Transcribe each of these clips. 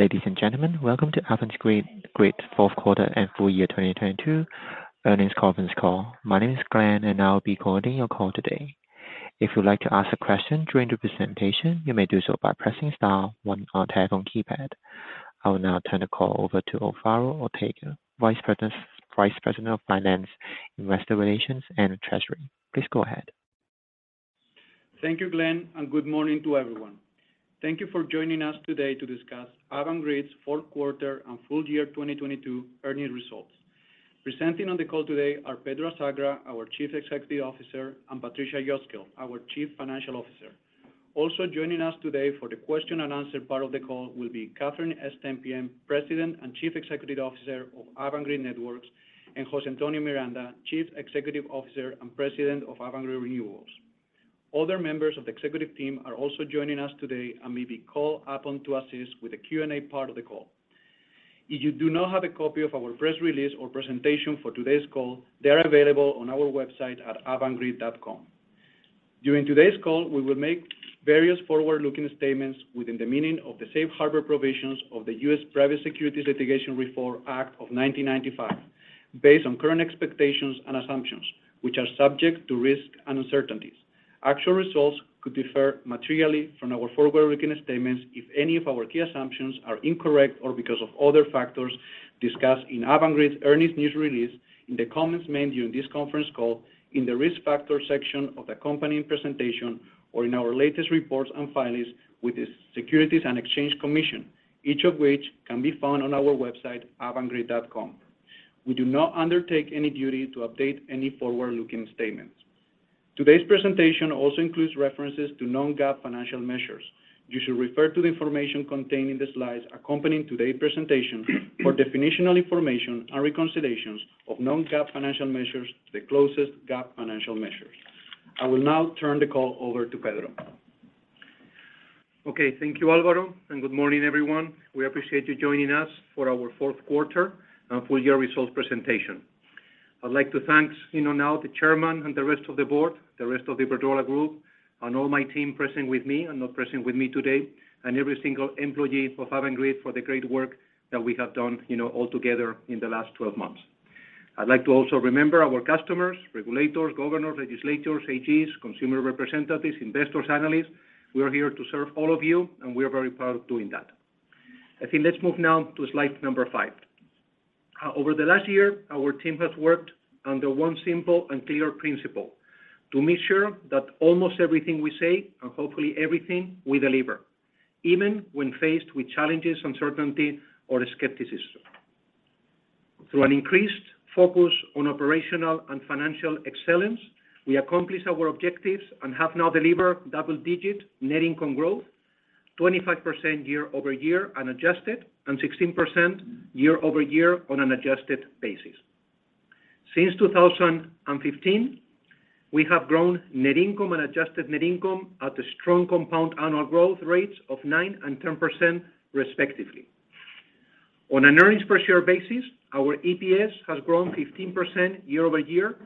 Ladies and gentlemen, Welcome to Avangrid Fourth Quarter and Full Year 2022 Earnings Conference Call. My name is Glenn, and I will be coordinating your call today. If you would like to ask a question during the presentation, you may do so by pressing star one on 10 on keypad. I will now turn the call over to Alvaro Ortega, Vice President of Finance, Investor Relations, and Treasury. Please go ahead. Thank you, Glenn, and good morning to everyone. Thank you for joining us today to discuss Avangrid's fourth quarter and full year 2022 earnings results. Presenting on the call today are Pedro Azagra, our Chief Executive Officer, and Patricia Cosgel, our Chief Financial Officer. Also joining us today for the question-and-answer part of the call will be Catherine Stempien, President and Chief Executive Officer of Avangrid Networks, and Jose Antonio Miranda, Chief Executive Officer and President of Avangrid Renewables. Other members of the executive team are also joining us today and may be called upon to assist with the Q&A part of the call. If you do not have a copy of our press release or presentation for today's call, they are available on our website at avangrid.com. During today's call, we will make various forward-looking statements within the meaning of the Safe Harbor provisions of the U.S. Private Securities Litigation Reform Act of 1995, based on current expectations and assumptions, which are subject to risks and uncertainties. Actual results could differ materially from our forward-looking statements if any of our key assumptions are incorrect or because of other factors discussed in Avangrid's earnings news release, in the comments made during this conference call, in the Risk Factors section of the company presentation, or in our latest reports and filings with the Securities and Exchange Commission, each of which can be found on our website, avangrid.com. We do not undertake any duty to update any forward-looking statements. Today's presentation also includes references to non-GAAP financial measures. You should refer to the information contained in the slides accompanying today's presentation for definitional information and reconciliations of non-GAAP financial measures to the closest GAAP financial measures. I will now turn the call over to Pedro. Okay. Thank you, Alvaro, and good morning, everyone. We appreciate you joining us for our fourth quarter and full year results presentation. I'd like to thank, you know, now the chairman and the rest of the board, the rest of the Iberdrola Group, and all my team present with me and not present with me today, and every single employee of Avangrid for the great work that we have done, you know, all together in the last 12 months. I'd like to also remember our Customers, Regulators, Governors, Legislators, AGs, Consumer Representatives, Investors, Analysts. We are here to serve all of you, and we are very proud of doing that. I think let's move now to slide number five. Over the last year, our team has worked under one simple and clear principle, to make sure that almost everything we say, and hopefully everything, we deliver, even when faced with challenges, uncertainty, or skepticism. Through an increased focus on operational and financial excellence, we accomplished our objectives and have now delivered double-digit net income growth, 25% year-over-year unadjusted, and 16% year-over-year on an adjusted basis. Since 2015, we have grown net income and adjusted net income at a strong compound annual growth rates of 9% and 10%, respectively. On an earnings per share basis, our EPS has grown 15% year-over-year,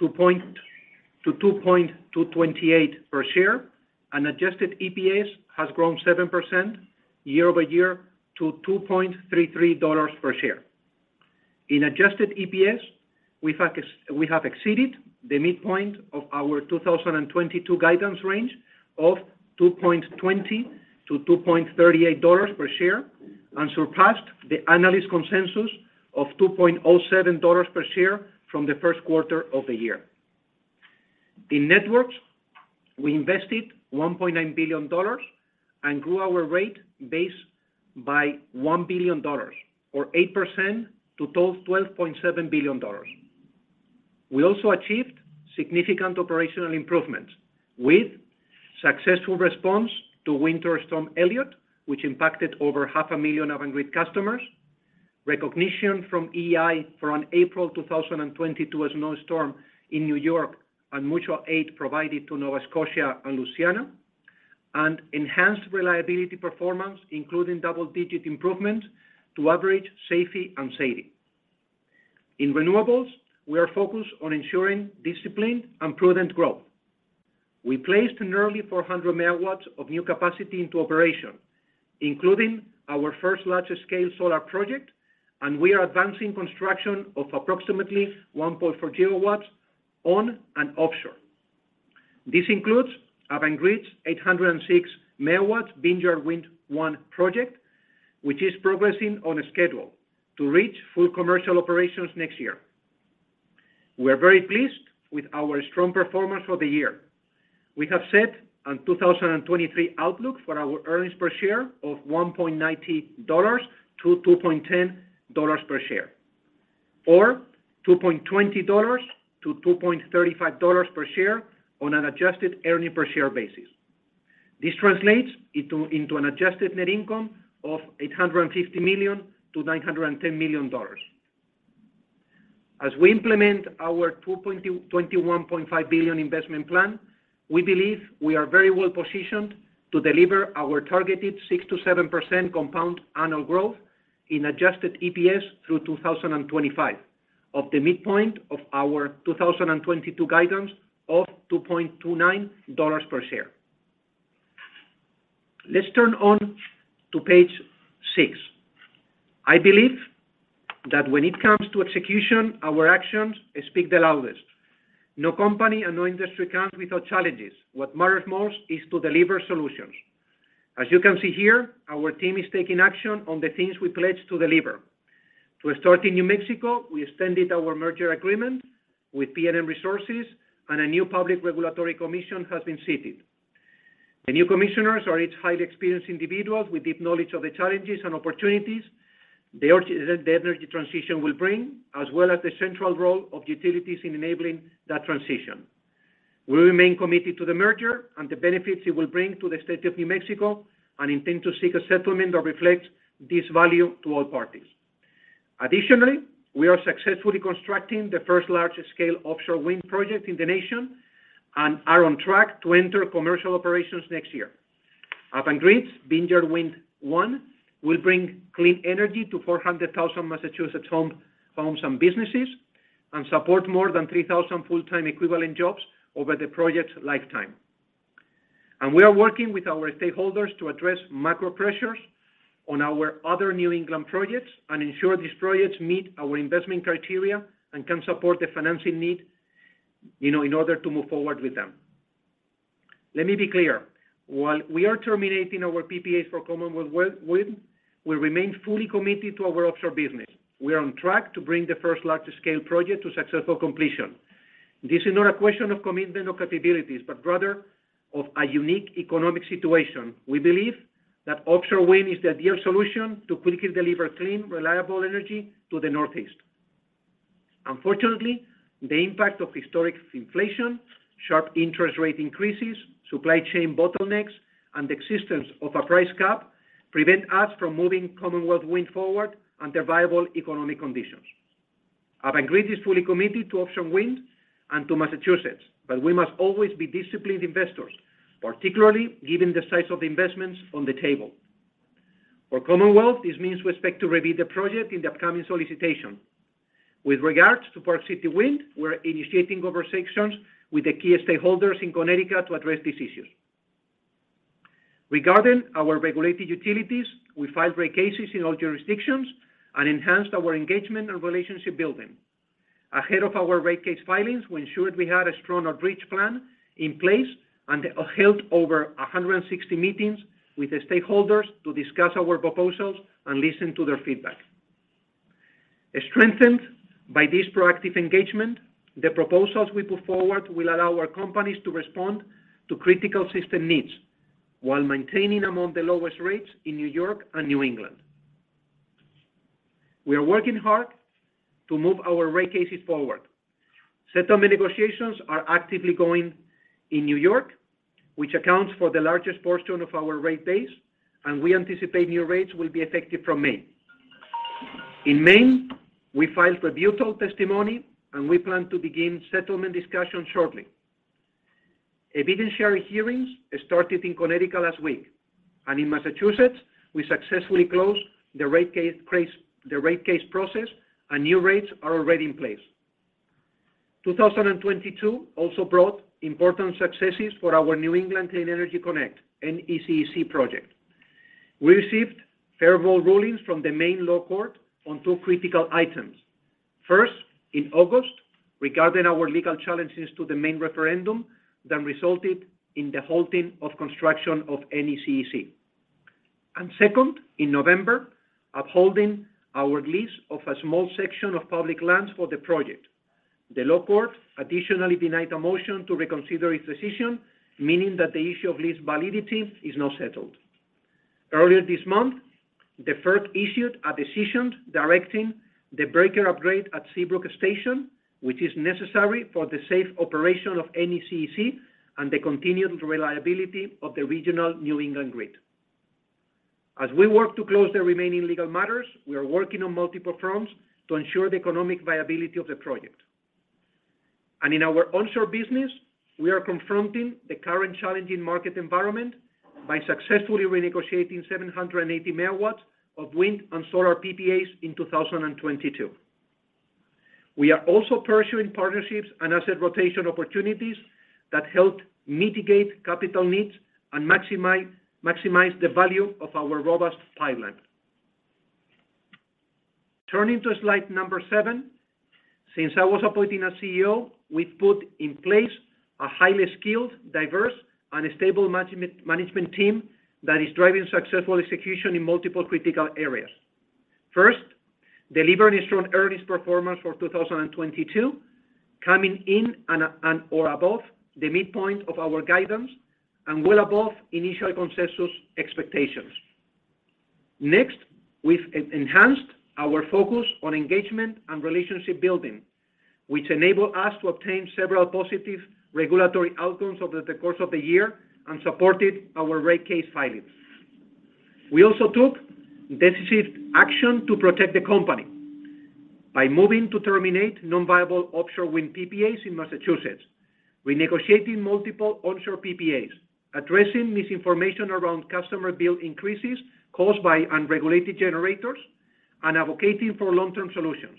to $2.228 per share, and adjusted EPS has grown 7% year-over-year to $2.33 per share. In adjusted EPS, we have exceeded the midpoint of our 2022 guidance range of $2.20-$2.38 per share and surpassed the analyst consensus of $2.07 per share from the 1st quarter of the year. In networks, we invested $1.9 billion and grew our Rate Base by $1 billion or 8% to $12.7 billion. We also achieved significant operational improvements with successful response to Winter Storm Elliott, which impacted over half a million Avangrid customers. Recognition from EEI for an April 2022 snowstorm in New York, mutual aid provided to Nova Scotia and Louisiana. Enhanced reliability performance, including double-digit improvement to average SAIDI and SAIFI. In Renewables, we are focused on ensuring disciplined and prudent growth. We placed nearly 400 MW of new capacity into operation, including our first large-scale solar project, and we are advancing construction of approximately 1.4 GW on and offshore. This includes Avangrid's 806 MW Vineyard Wind 1 project, which is progressing on a schedule to reach full commercial operations next year. We are very pleased with our strong performance for the year. We have set a 2023 outlook for our earnings per share of $1.90-$2.10 per share. Or $2.20-$2.35 per share on an adjusted earnings per share basis. This translates into an adjusted net income of $850 million to $910 million. As we implement our $21.5 billion investment plan, we believe we are very well-positioned to deliver our targeted 6%-7% compound annual growth in adjusted EPS through 2025. Of the midpoint of our 2022 guidance of $2.29 per share. Let's turn on to page six. I believe that when it comes to execution, our actions speak the loudest. No company and no industry comes without challenges. What matters most is to deliver solutions. As you can see here, our team is taking action on the things we pledged to deliver. To start in New Mexico, we extended our merger agreement with PNM Resources and a new public regulatory commission has been seated. The new commissioners are each highly experienced individuals with deep knowledge of the challenges and opportunities the energy transition will bring, as well as the central role of utilities in enabling that transition. We remain committed to the merger and the benefits it will bring to the state of New Mexico, and intend to seek a settlement that reflects this value to all parties. Additionally, we are successfully constructing the first large-scale offshore wind project in the nation and are on track to enter commercial operations next year. Avangrid's Vineyard Wind 1 will bring clean energy to 400,000 Massachusetts homes and businesses and support more than 3,000 full-time equivalent jobs over the project's lifetime. We are working with our stakeholders to address macro pressures on our other New England projects and ensure these projects meet our investment criteria and can support the financing need, you know, in order to move forward with them. Let me be clear. While we are terminating our PPAs for Commonwealth Wind, we remain fully committed to our offshore business. We are on track to bring the first large-scale project to successful completion. This is not a question of commitment or capabilities, but rather of a unique economic situation. We believe that offshore wind is the ideal solution to quickly deliver clean, reliable energy to the Northeast. Unfortunately, the impact of historic inflation, sharp interest rate increases, supply chain bottlenecks, and the existence of a price cap prevent us from moving Commonwealth Wind forward under viable economic conditions. Avangrid is fully committed to offshore wind and to Massachusetts, but we must always be disciplined investors, particularly given the size of the investments on the table. For Commonwealth, this means we expect to rebid the project in the upcoming solicitation. With regards to Park City Wind, we're initiating conversations with the key stakeholders in Connecticut to address these issues. Regarding our regulated utilities, we filed Rate Cases in all jurisdictions and enhanced our engagement and relationship building. Ahead of our Rate Case filings, we ensured we had a strong outreach plan in place and held over 160 meetings with the stakeholders to discuss our proposals and listen to their feedback. Strengthened by this proactive engagement, the proposals we put forward will allow our companies to respond to critical system needs while maintaining among the lowest rates in New York and New England. We are working hard to move our Rate Cases forward. Settlement negotiations are actively going in New York, which accounts for the largest portion of our Rate Base. We anticipate new rates will be effective from May. In Maine, we filed rebuttal testimony. We plan to begin settlement discussions shortly. Evidentiary hearings started in Connecticut last week. In Massachusetts, we successfully closed the Rate Case process. New rates are already in place. 2022 also brought important successes for our New England Clean Energy Connect, NECEC project. We received favorable rulings from the Maine Law Court on two critical items. First, in August, regarding our legal challenges to the Maine referendum that resulted in the halting of construction of NECEC. Second in November, upholding our lease of a small section of public lands for the project. The Law Court additionally denied a motion to reconsider its decision, meaning that the issue of lease validity is now settled. Earlier this month, the FERC issued a decision directing the breaker upgrade at Seabrook Station, which is necessary for the safe operation of NECEC and the continued reliability of the regional New England grid. As we work to close the remaining legal matters, we are working on multiple fronts to ensure the economic viability of the project. In our onshore business, we are confronting the current challenging market environment by successfully renegotiating 780 MW of wind and solar PPAs in 2022. We are also pursuing partnerships and Asset Rotation opportunities that help mitigate capital needs and maximize the value of our robust pipeline. Turning to slide number seven. Since I was appointed as CEO, we've put in place a highly skilled, diverse, and a stable management team that is driving successful execution in multiple critical areas. First, delivering a strong earnings performance for 2022, coming in and/or above the midpoint of our guidance and well above initial consensus expectations. Next, we've enhanced our focus on engagement and relationship building, which enable us to obtain several positive regulatory outcomes over the course of the year and supported our Rate Case filings. We also took decisive action to protect the company by moving to terminate non-viable offshore wind PPAs in Massachusetts. We're negotiating multiple onshore PPAs, addressing misinformation around customer bill increases caused by unregulated generators, and advocating for long-term solutions.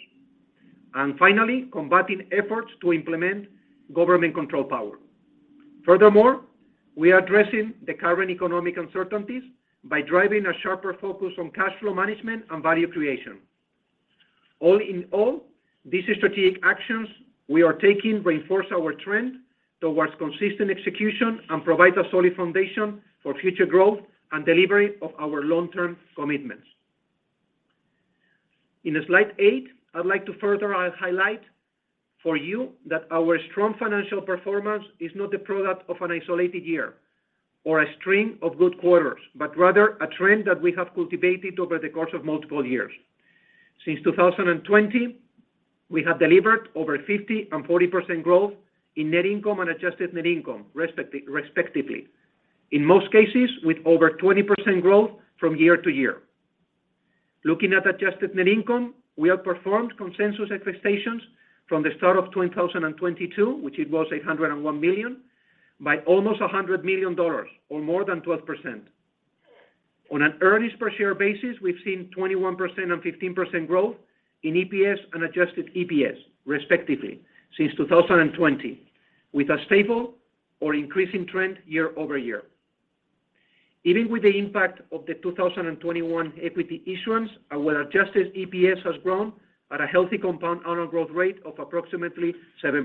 Finally, combating efforts to implement government-controlled power. Furthermore, we are addressing the current economic uncertainties by driving a sharper focus on cash flow management and value creation. All in all, these strategic actions we are taking reinforce our trend towards consistent execution and provide a solid foundation for future growth and delivery of our long-term commitments. In slide eight, I'd like to further highlight for you that our strong financial performance is not a product of an isolated year or a string of good quarters, but rather a trend that we have cultivated over the course of multiple years. Since 2020, we have delivered over 50% and 40% growth in net income and adjusted net income respectively. In most cases, with over 20% growth from year to year. Looking at adjusted net income, we have performed consensus expectations from the start of 2022, which it was $801 million, by almost $100 million, or more than 12%. On an earnings per share basis, we've seen 21% and 15% growth in EPS and adjusted EPS, respectively, since 2020, with a stable or increasing trend year-over-year. Even with the impact of the 2021 equity issuance, our adjusted EPS has grown at a healthy compound annual growth rate of approximately 7%.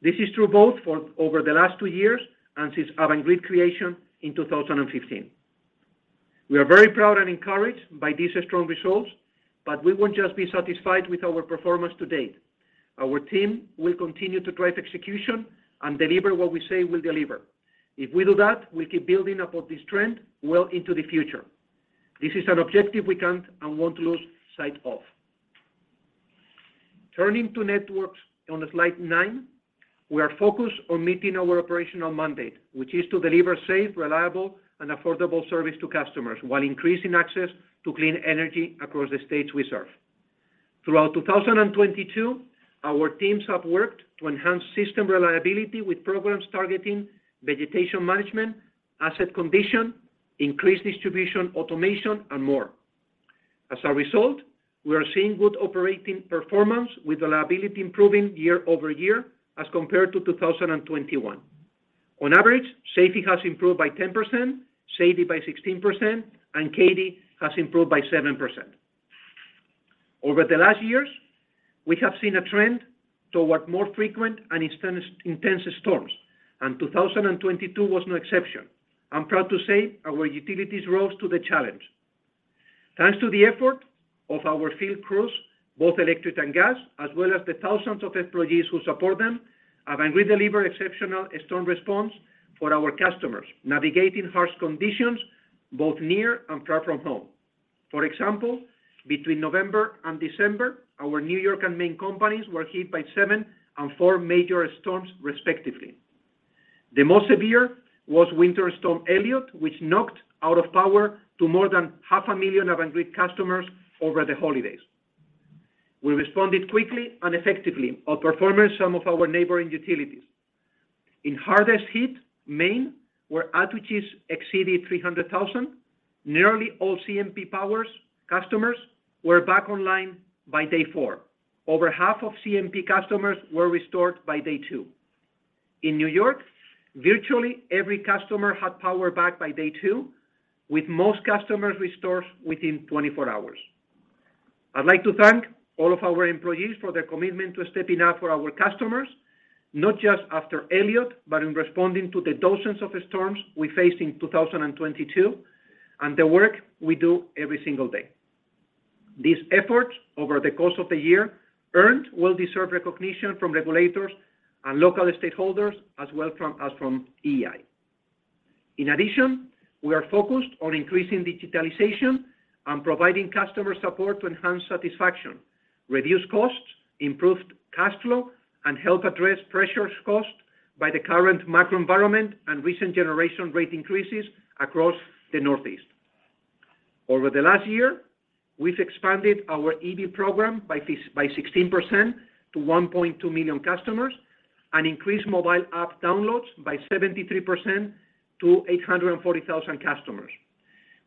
This is true both for over the last two years and since Avangrid creation in 2015. We are very proud and encouraged by these strong results, we won't just be satisfied with our performance to date. Our team will continue to drive execution and deliver what we say we'll deliver. If we do that, we'll keep building upon this trend well into the future. This is an objective we can't and won't lose sight of. Turning to networks on slide nine, we are focused on meeting our operational mandate, which is to deliver safe, reliable, and affordable service to customers while increasing access to clean energy across the states we serve. Throughout 2022, our teams have worked to enhance system reliability with programs targeting vegetation management, asset condition, increased distribution, automation, and more. As a result, we are seeing good operating performance with reliability improving year-over-year as compared to 2021. On average, SAIFI has improved by 10%, SAIDI by 16%, and CAIDI has improved by 7%. Over the last years, we have seen a trend towards more frequent and intense storms. 2022 was no exception. I'm proud to say our utilities rose to the challenge. Thanks to the effort of our field crews, both electric and gas, as well as the thousands of employees who support them, Avangrid delivered exceptional storm response for our customers, navigating harsh conditions both near and far from home. For example, between November and December, our New York and Maine companies were hit by seven and four major storms, respectively. The most severe was Winter Storm Elliott, which knocked out of power to more than 500,000 Avangrid customers over the holidays. We responded quickly and effectively, outperforming some of our neighboring utilities. In hardest-hit Maine, where outages exceeded 300,000, nearly all CMP powers customers were back online by day four. Over half of CMP customers were restored by day two. In New York, virtually every customer had power back by day two, with most customers restored within 24 hours. I'd like to thank all of our employees for their commitment to stepping up for our customers, not just after Elliott, but in responding to the dozens of storms we faced in 2022, and the work we do every single day. These efforts over the course of the year earned well-deserved recognition from regulators and local stakeholders, as well from EEI. In addition, we are focused on increasing digitalization and providing customer support to enhance satisfaction, reduce costs, improve cash flow, and help address pressures caused by the current macro environment and recent generation rate increases across the Northeast. Over the last year, we've expanded our EV program by 16% to 1.2 million customers and increased mobile app downloads by 73% to 840,000 customers.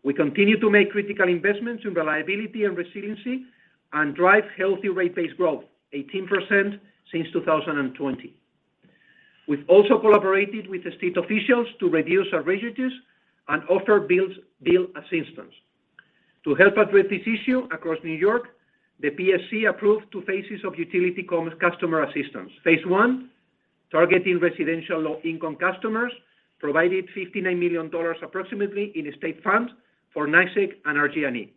We continue to make critical investments in reliability and resiliency and drive healthy rate-based growth, 18% since 2020. We've also collaborated with the state officials to reduce arrearages and offer bill assistance. To help address this issue across New York, the PSC approved two phases of customer assistance. Phase 1, targeting residential low-income customers, provided $59 million approximately in state funds for NYSEG and RG&E.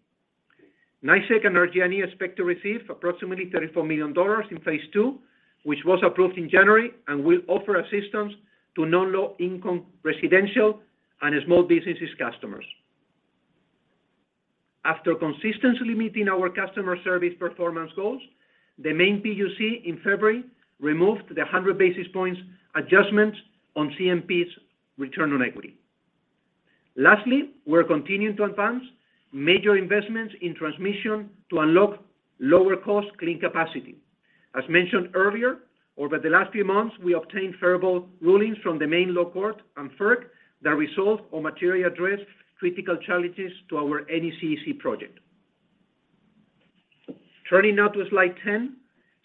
NYSEG and RG&E expect to receive approximately $34 million in phase 2, which was approved in January and will offer assistance to non-low-income residential and small businesses customers. After consistently meeting our customer service performance goals, the Maine PUC in February removed the 100 basis points adjustments on CMP's return on equity. Lastly, we're continuing to advance major investments in transmission to unlock lower cost clean capacity. As mentioned earlier, over the last few months, we obtained favorable rulings from the Maine Law Court and FERC that resolved or materially addressed critical challenges to our NECEC project. Turning now to slide 10.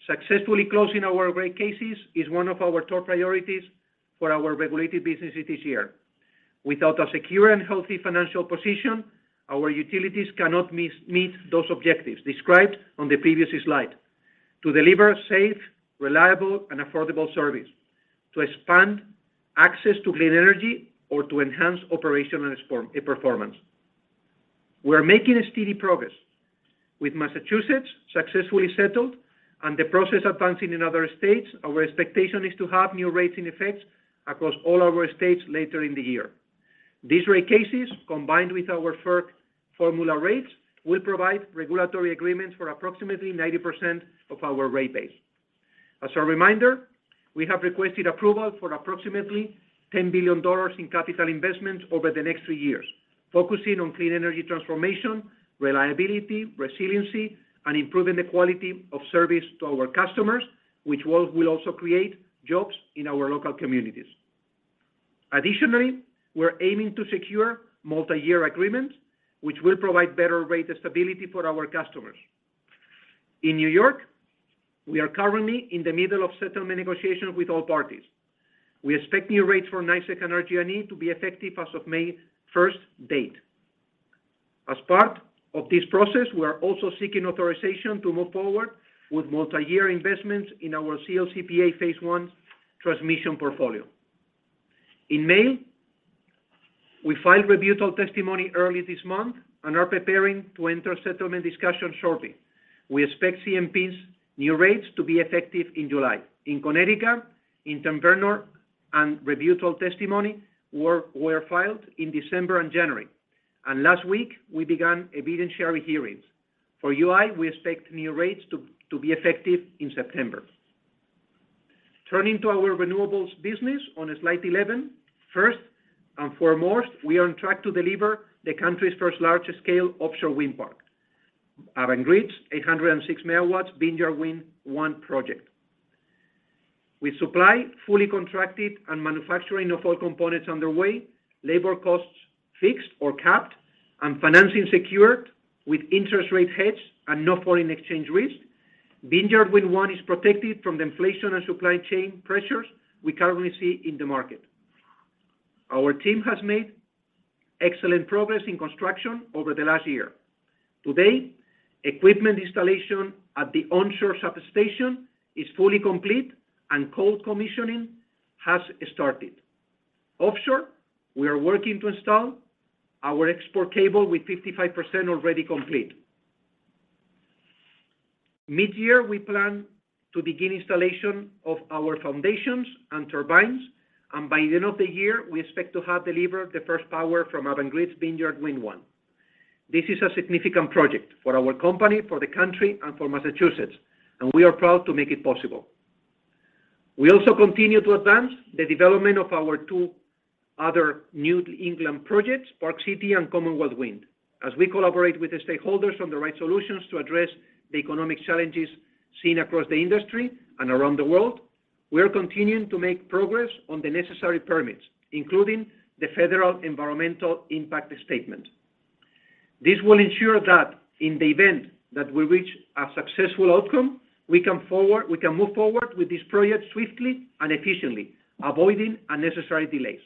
Successfully closing our Rate Cases is one of our top priorities for our regulated businesses this year. Without a secure and healthy financial position, our utilities cannot meet those objectives described on the previous slide. To deliver safe, reliable, and affordable service. To expand access to clean energy or to enhance operational performance. We are making a steady progress. With Massachusetts successfully settled and the process advancing in other states, our expectation is to have new rates in effect across all our states later in the year. These Rate Cases, combined with our FERC formula rates, will provide regulatory agreements for approximately 90% of our Rate Base. As a reminder, we have requested approval for approximately $10 billion in capital investments over the next three years, focusing on clean energy transformation, reliability, resiliency, and improving the quality of service to our customers, which will also create jobs in our local communities. We're aiming to secure multi-year agreements, which will provide better rate stability for our customers. In New York, we are currently in the middle of settlement negotiations with all parties. We expect new rates for NYSEG and RG&E to be effective as of May 1st date. As part of this process, we are also seeking authorization to move forward with multi-year investments in our CLCPA phase 1 transmission portfolio. In Maine, we filed rebuttal testimony early this month and are preparing to enter settlement discussions shortly. We expect CMP's new rates to be effective in July. in Connecticut interim revenue and rebuttal testimony were filed in December and January. Last week, we began evidentiary hearings. For UI, we expect new rates to be effective in September. Turning to our renewables business on slide 11. First and foremost, we are on track to deliver the country's first large-scale offshore wind farm. Avangrid's 806 MW Vineyard Wind 1 project. With supply fully contracted and manufacturing of all components underway, labor costs fixed or capped and financing secured with interest rate hedge and no foreign exchange risk, Vineyard Wind 1 is protected from the inflation and supply chain pressures we currently see in the market. Our team has made excellent progress in construction over the last year. Today, equipment installation at the onshore substation is fully complete and cold commissioning has started. Offshore, we are working to install our export cable with 55% already complete. Mid-year, we plan to begin installation of our foundations and turbines, and by the end of the year, we expect to have delivered the first power from Avangrid's Vineyard Wind 1. This is a significant project for our company, for the country, and for Massachusetts, and we are proud to make it possible. We also continue to advance the development of our two other New England projects, Park City and Commonwealth Wind. As we collaborate with the stakeholders on the right solutions to address the economic challenges seen across the industry and around the world, we are continuing to make progress on the necessary permits, including the Federal environmental impact statement. This will ensure that in the event that we reach a successful outcome, we can move forward with this project swiftly and efficiently, avoiding unnecessary delays.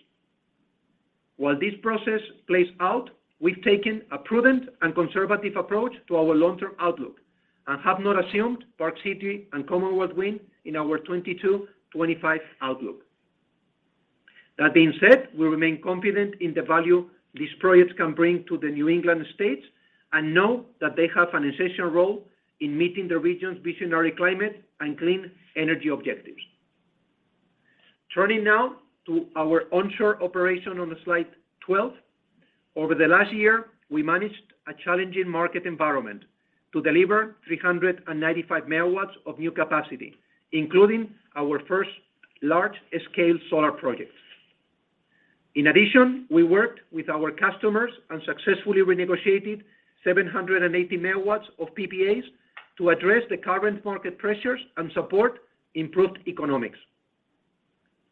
While this process plays out, we've taken a prudent and conservative approach to our long-term outlook and have not assumed Park City and Commonwealth Wind in our 2022-2025 outlook. That being said, we remain confident in the value these projects can bring to the New England states and know that they have an essential role in meeting the region's visionary climate and clean energy objectives. Turning now to our onshore operation on slide 12. Over the last year, we managed a challenging market environment to deliver 395 MG of new capacity, including our first large-scale solar projects. In addition, we worked with our customers and successfully renegotiated 780 MG of PPAs to address the current market pressures and support improved economics.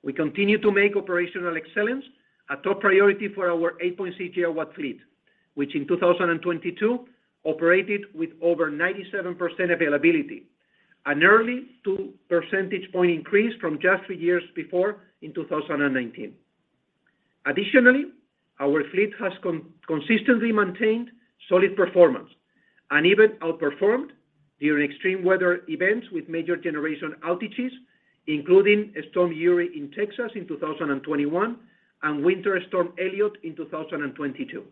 We continue to make operational excellence a top priority for our 8.6 GW fleet, which in 2022 operated with over 97% availability, a nearly 2 percentage point increase from just three years before in 2019. Additionally, our fleet has consistently maintained solid performance and even outperformed during extreme weather events with major generation outages, including Storm Uri in Texas in 2021 and Winter Storm Elliott in 2022.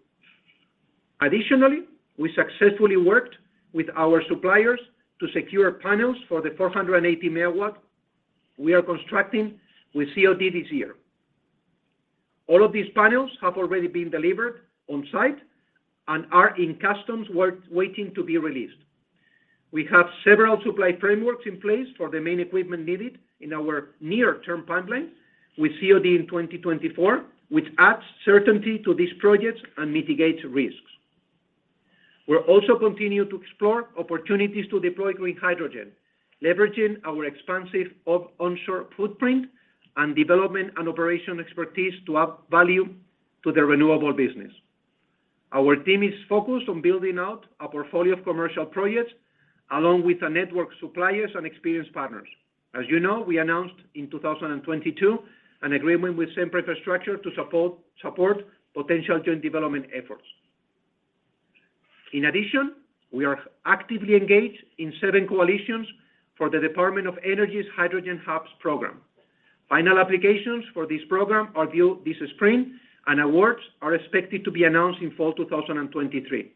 Additionally, we successfully worked with our suppliers to secure panels for the 480 MW we are constructing with COD this year. All of these panels have already been delivered on-site and are in customs waiting to be released. We have several supply frameworks in place for the main equipment needed in our near-term pipeline with COD in 2024, which adds certainty to these projects and mitigates risks. We'll also continue to explore opportunities to deploy green hydrogen, leveraging our expansive of onshore footprint and development and operation expertise to add value to the renewable business. Our team is focused on building out a portfolio of commercial projects along with a network suppliers and experienced partners. As you know, we announced in 2022 an agreement with Sempra Infrastructure to support potential joint development efforts. In addition, we are actively engaged in 7 coalitions for the Department of Energy's Hydrogen Hubs program. Final applications for this program are due this spring, and awards are expected to be announced in fall 2023.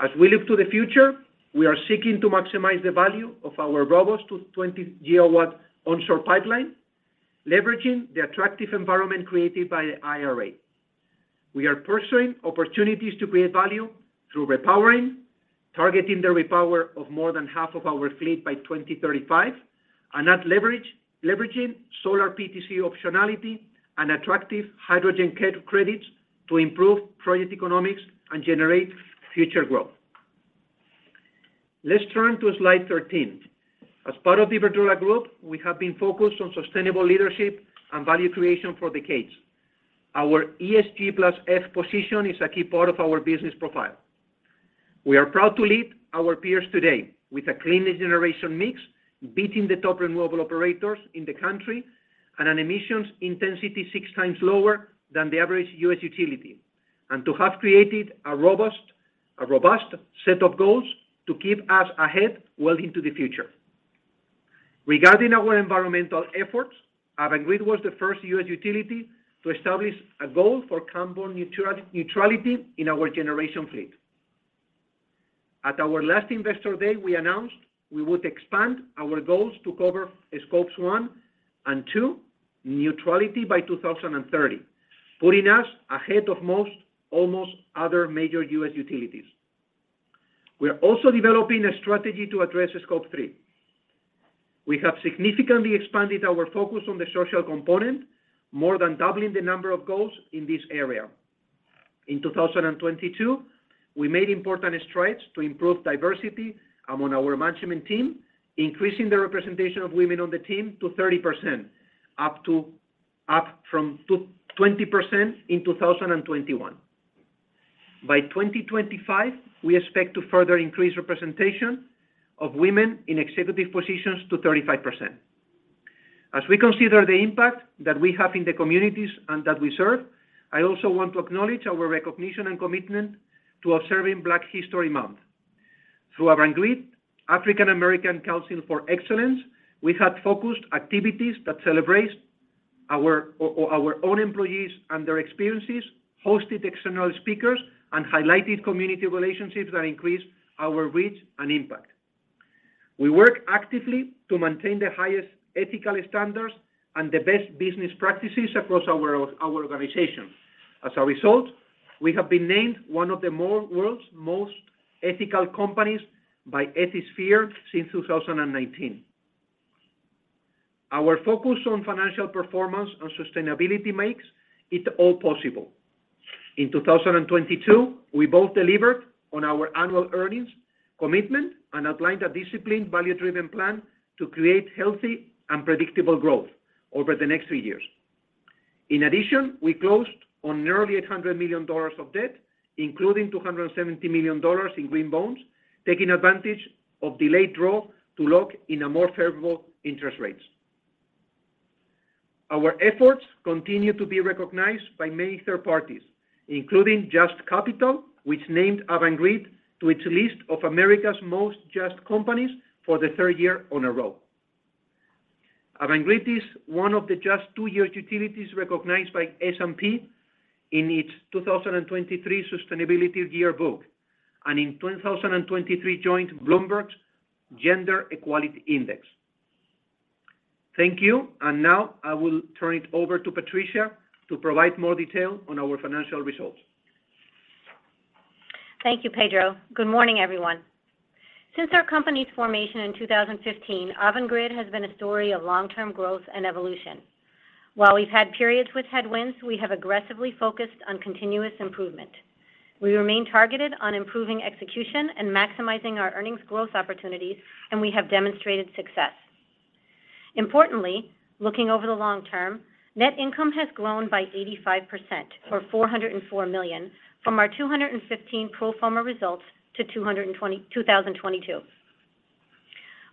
As we look to the future, we are seeking to maximize the value of our robust 220 GW onshore pipeline, leveraging the attractive environment created by the IRA. We are pursuing opportunities to create value through repowering, targeting the repower of more than half of our fleet by 2035, and leveraging solar PTC optionality and attractive hydrogen credits to improve project economics and generate future growth. Let's turn to slide 13. As part of Iberdrola Group, we have been focused on sustainable leadership and value creation for decades. Our ESG+F position is a key part of our business profile. We are proud to lead our peers today with a clean generation mix, beating the top renewable operators in the country and an emissions intensity 6 times lower than the average U.S. utility. To have created a robust set of goals to keep us ahead well into the future. Regarding our environmental efforts, Avangrid was the first U.S. utility to establish a goal for carbon neutrality in our generation fleet. At our last Investor Day, we announced we would expand our goals to cover scopes 1 and 2 neutrality by 2030, putting us ahead of almost other major U.S. utilities. We are also developing a strategy to address scope 3. We have significantly expanded our focus on the social component, more than doubling the number of goals in this area. In 2022, we made important strides to improve diversity among our management team, increasing the representation of women on the team to 30%, up from 20% in 2021. By 2025, we expect to further increase representation of women in executive positions to 35%. As we consider the impact that we have in the communities and that we serve, I also want to acknowledge our recognition and commitment to observing Black History Month. Through Avangrid African American Council for Excellence, we had focused activities that celebrate our own employees and their experiences, hosted external speakers, and highlighted community relationships that increase our reach and impact. We work actively to maintain the highest ethical standards and the best business practices across our organization. As a result, we have been named one of the more world's most ethical companies by Ethisphere since 2019. Our focus on financial performance and sustainability makes it all possible. In 2022, we both delivered on our annual earnings commitment and outlined a disciplined, value-driven plan to create healthy and predictable growth over the next three years. In addition, we closed on nearly $800 million of debt, including $270 million in green bonds, taking advantage of delayed draw to lock in a more favorable interest rates. Our efforts continue to be recognized by many third parties, including JUST Capital, which named Avangrid to its list of America's Most Just Companies for the third year on a row. Avangrid is one of the just two U.S. utilities recognized by S&P in its 2023 Sustainability Yearbook, and in 2023, joined Bloomberg's Gender-Equality Index. Thank you. Now I will turn it over to Patricia to provide more detail on our financial results. Thank you, Pedro. Good morning, everyone. Since our company's formation in 2015, Avangrid has been a story of long-term growth and evolution. While we've had periods with headwinds, we have aggressively focused on continuous improvement. We remain targeted on improving execution and maximizing our earnings growth opportunities. We have demonstrated success. Importantly, looking over the long term, net income has grown by 85%, or $404 million, from our 2015 pro forma results to 2022.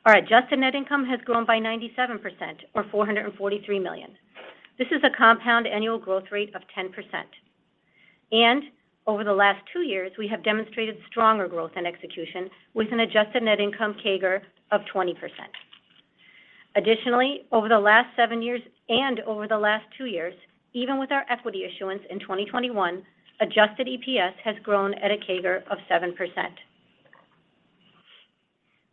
Our adjusted net income has grown by 97%, or $443 million. This is a compound annual growth rate of 10%. Over the last two years, we have demonstrated stronger growth and execution with an adjusted net income CAGR of 20%. Additionally, over the last seven years and over the last two years, even with our equity issuance in 2021, adjusted EPS has grown at a CAGR of 7%.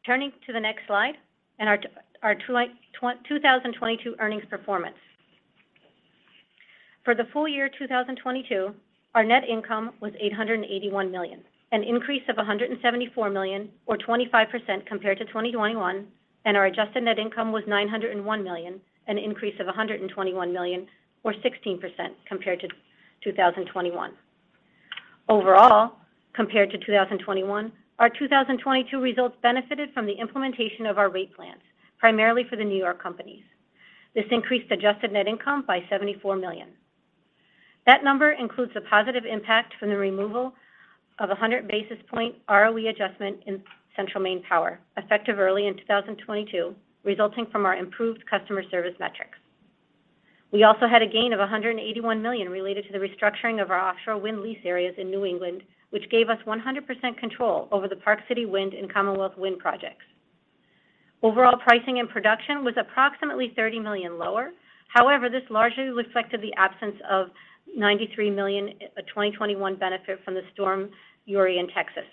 Turning to the next slide, our 2022 earnings performance. For the full year 2022, our net income was $881 million, an increase of $174 million or 25% compared to 2021. Our adjusted net income was $901 million, an increase of $121 million or 16% compared to 2021. Overall, compared to 2021, our 2022 results benefited from the implementation of our rate plans, primarily for the New York companies. This increased adjusted net income by $74 million. That number includes a positive impact from the removal of a 100 basis point ROE adjustment in Central Maine Power, effective early in 2022, resulting from our improved customer service metrics. We also had a gain of $181 million related to the restructuring of our offshore wind lease areas in New England, which gave us 100% control over the Park City Wind and Commonwealth Wind projects. Overall pricing and production was approximately $30 million lower. This largely reflected the absence of $93 million, a 2021 benefit from the Winter Storm Uri in Texas.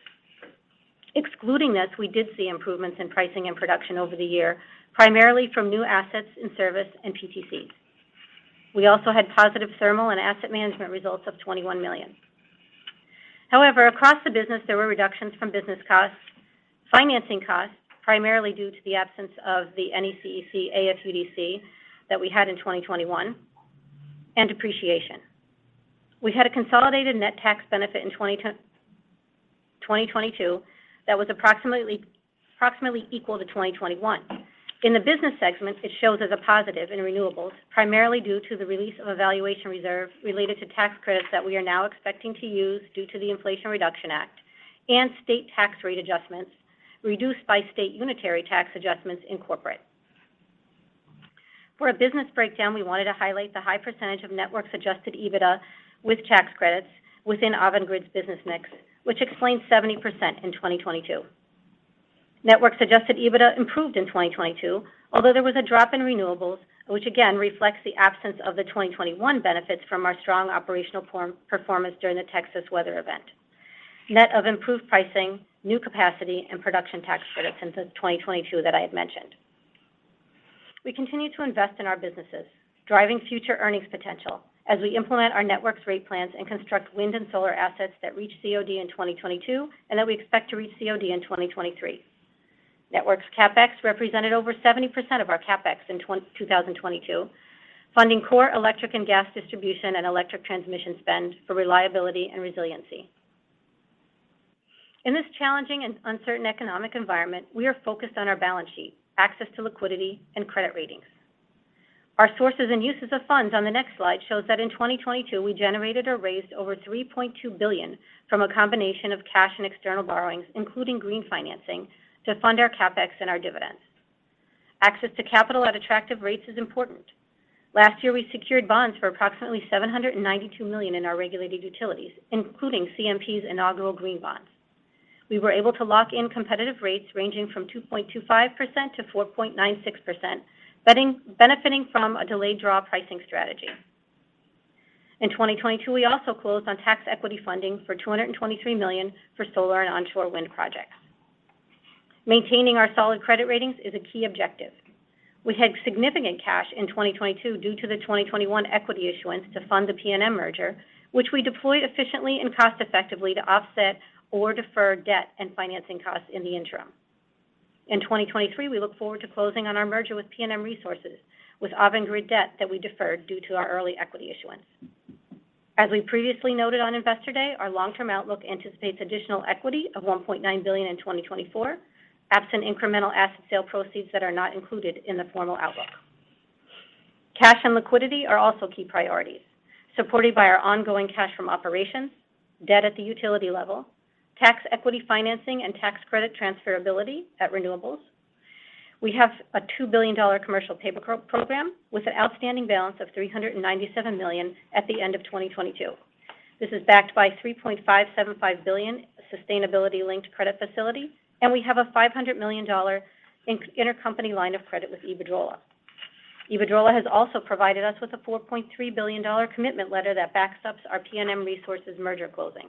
Excluding this, we did see improvements in pricing and production over the year, primarily from new assets in service and PTCs. We also had positive thermal and asset management results of $21 million. However, across the business, there were reductions from business costs, financing costs, primarily due to the absence of the NECEC AFUDC that we had in 2021, and depreciation. We had a consolidated net tax benefit in 2022 that was approximately equal to 2021. In the business segment, it shows as a positive in Renewables, primarily due to the release of a valuation reserve related to tax credits that we are now expecting to use due to the Inflation Reduction Act and state tax rate adjustments reduced by state unitary tax adjustments in corporate. We wanted to highlight the high percentage of Networks adjusted EBITDA with tax credits within Avangrid's business mix, which explains 70% in 2022. Networks adjusted EBITDA improved in 2022, although there was a drop in Renewables, which again reflects the absence of the 2021 benefits from our strong operational performance during the Texas weather event. Net of improved pricing, new capacity, and production tax credits in the 2022 that I had mentioned. We continue to invest in our businesses, driving future earnings potential as we implement our Networks rate plans and construct wind and solar assets that reach COD in 2022 and that we expect to reach COD in 2023. Networks CapEx represented over 70% of our CapEx in 2022, funding core electric and gas distribution and electric transmission spend for reliability and resiliency. In this challenging and uncertain economic environment, we are focused on our balance sheet, access to liquidity, and credit ratings. Our sources and uses of funds on the next slide shows that in 2022, we generated or raised over $3.2 billion from a combination of cash and external borrowings, including green financing, to fund our CapEx and our dividends. Access to capital at attractive rates is important. Last year, we secured bonds for approximately $792 million in our regulated utilities, including CMP's inaugural green bonds. We were able to lock in competitive rates ranging from 2.25%-4.96%, benefitting from a delayed draw pricing strategy. In 2022, we also closed on tax equity funding for $223 million for solar and onshore wind projects. Maintaining our solid credit ratings is a key objective. We had significant cash in 2022 due to the 2021 equity issuance to fund the PNM merger, which we deployed efficiently and cost effectively to offset or defer debt and financing costs in the interim. In 2023, we look forward to closing on our merger with PNM Resources with Avangrid debt that we deferred due to our early equity issuance. As we previously noted on Investor Day, our long-term outlook anticipates additional equity of $1.9 billion in 2024, absent incremental asset sale proceeds that are not included in the formal outlook. Cash and liquidity are also key priorities, supported by our ongoing cash from operations, debt at the utility level, tax equity financing, and tax credit transferability at Renewables. We have a $2 billion commercial paper program with an outstanding balance of $397 million at the end of 2022. This is backed by $3.575 billion sustainability-linked credit facility. We have a $500 million intercompany line of credit with Iberdrola. Iberdrola has also provided us with a $4.3 billion commitment letter that backstops our PNM Resources Merger closing.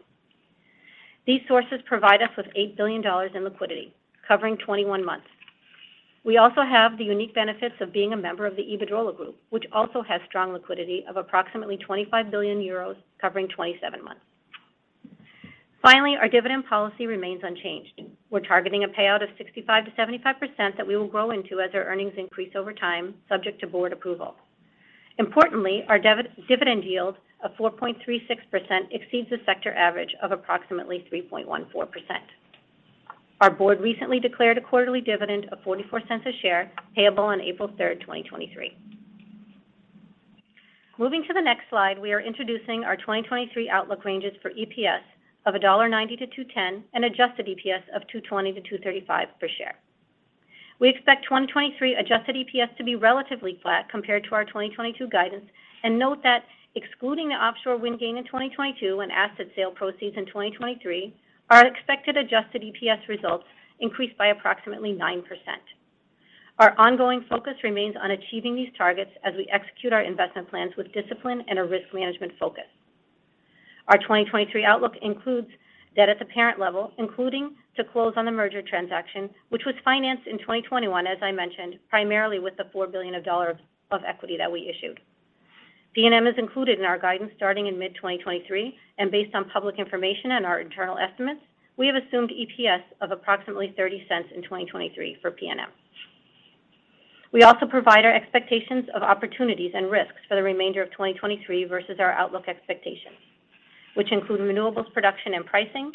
These sources provide us with $8 billion in liquidity, covering 21 months. We also have the unique benefits of being a member of the Iberdrola Group, which also has strong liquidity of approximately 25 billion euros, covering 27 months. Our dividend policy remains unchanged. We're targeting a payout of 65%-75% that we will grow into as our earnings increase over time, subject to board approval. Our dividend yield of 4.36% exceeds the sector average of approximately 3.14%. Our board recently declared a quarterly dividend of $0.44 a share, payable on April 3rd, 2023. Moving to the next slide, we are introducing our 2023 outlook ranges for EPS of $1.90-$2.10, an adjusted EPS of $2.20-$2.35 per share. We expect 2023 adjusted EPS to be relatively flat compared to our 2022 guidance and note that excluding the offshore wind gain in 2022 and asset sale proceeds in 2023, our expected adjusted EPS results increased by approximately 9%. Our ongoing focus remains on achieving these targets as we execute our investment plans with discipline and a risk management focus. Our 2023 outlook includes debt at the parent level, including to close on the merger transaction, which was financed in 2021, as I mentioned, primarily with the $4 billion of equity that we issued. PNM is included in our guidance starting in mid-2023. Based on public information and our internal estimates, we have assumed EPS of approximately $0.30 in 2023 for PNM. We also provide our expectations of opportunities and risks for the remainder of 2023 versus our outlook expectations, which include renewables production and pricing,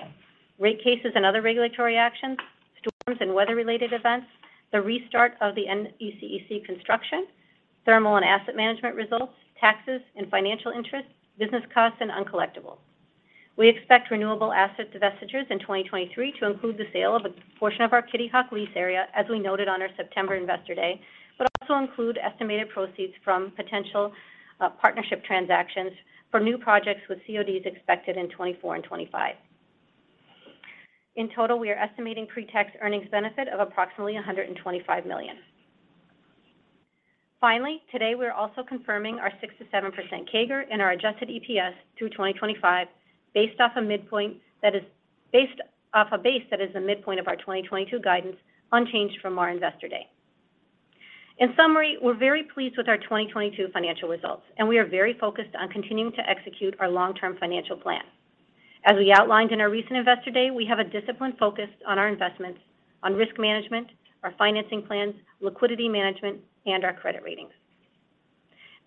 Rate Cases and other regulatory actions, storms and weather-related events, the restart of the NECEC construction, thermal and asset management results, taxes and financial interest, business costs and uncollectible. We expect renewable asset divestitures in 2023 to include the sale of a portion of our Kitty Hawk lease area, as we noted on our September Investor Day, but also include estimated proceeds from potential partnership transactions for new projects with CODs expected in 2024 and 2025. In total, we are estimating pretax earnings benefit of approximately $125 million. Finally, today we are also confirming our 6%-7% CAGR in our adjusted EPS through 2025 based off a base that is the midpoint of our 2022 guidance, unchanged from our Investor Day. In summary, we're very pleased with our 2022 financial results, and we are very focused on continuing to execute our long-term financial plan. As we outlined in our recent Investor Day, we have a disciplined focus on our investments, on risk management, our financing plans, liquidity management, and our credit ratings.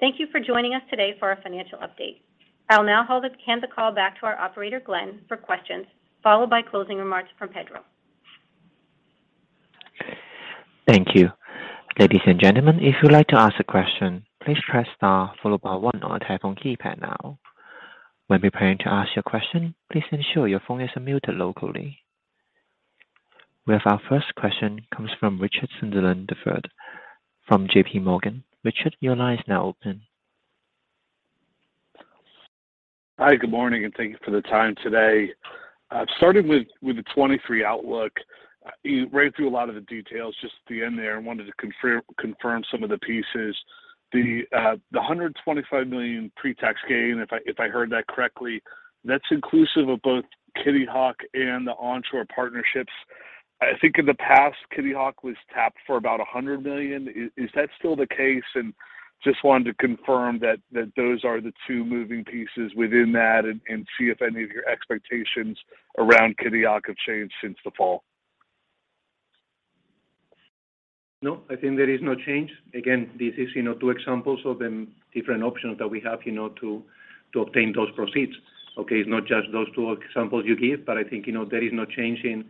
Thank you for joining us today for our financial update. I'll now hand the call back to our operator, Glenn, for questions, followed by closing remarks from Pedro. Thank you. Ladies and gentlemen, if you'd like to ask a question, please press star followed by one on your telephone keypad now. When preparing to ask your question, please ensure your phone is muted locally. We have our first question comes from Richard Sunderland III from JPMorgan. Richard, your line is now open. Hi, good morning, thank you for the time today. Starting with the 2023 outlook, you ran through a lot of the details just at the end there. I wanted to confirm some of the pieces. The $125 million pretax gain, if I heard that correctly, that's inclusive of both Kitty Hawk and the onshore partnerships. I think in the past, Kitty Hawk was tapped for about $100 million. Is that still the case? Just wanted to confirm that those are the two moving pieces within that and see if any of your expectations around Kitty Hawk have changed since the fall. No, I think there is no change. Again, this is, you know, two examples of the different options that we have, you know, to obtain those proceeds. Okay? It's not just those two examples you give, but I think, you know, there is no change in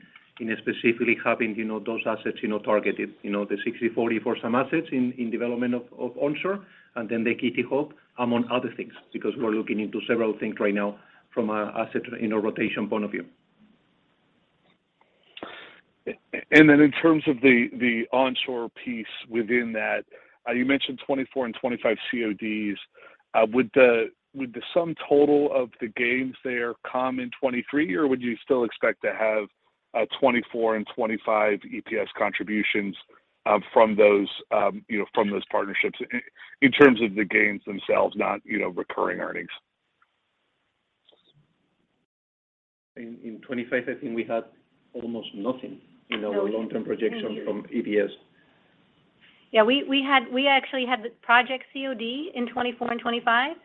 specifically having, you know, those assets, you know, targeted. You know, the 60/40 for some assets in development of onshore, and then the Kitty Hawk, among other things, because we're looking into several things right now from a asset, you know, rotation point of view. Then in terms of the onshore piece within that, you mentioned 2024 and 2025 CODs. Would the sum total of the gains there come in 2023, or would you still expect to have 2024 and 2025 EPS contributions from those, you know, from those partnerships in terms of the gains themselves, not, you know, recurring earnings? In 2025, I think we had almost nothing in our long-term projection from EPS. Yeah, we actually had the project COD in 2024 and 2025.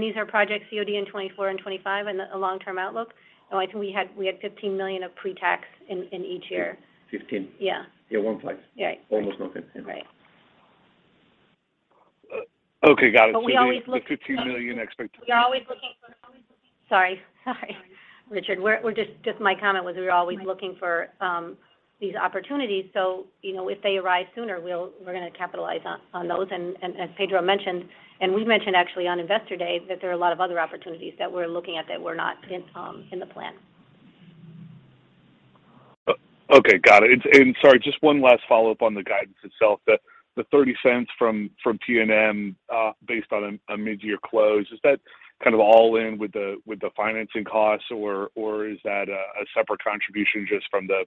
These are project COD in 2024 and 2025 in the long-term outlook. No, I think we had $15 million of pretax in each year. 15. Yeah. Yeah. One Five. Yeah. Almost nothing. Right. Okay. Got it. We always the $15 million expectation- We're always looking. Sorry. Sorry, Richard. My comment was we were always looking for these opportunities, so, you know, if they arrive sooner, we're gonna capitalize on those. As Pedro mentioned, and we've mentioned actually on Investor Day, that there are a lot of other opportunities that we're looking at that were not in the plan. Okay. Got it. Sorry, just one last follow-up on the guidance itself. The $0.30 from PNM, based on a mid-year close, is that kind of all in with the financing costs, or is that a separate contribution just from the,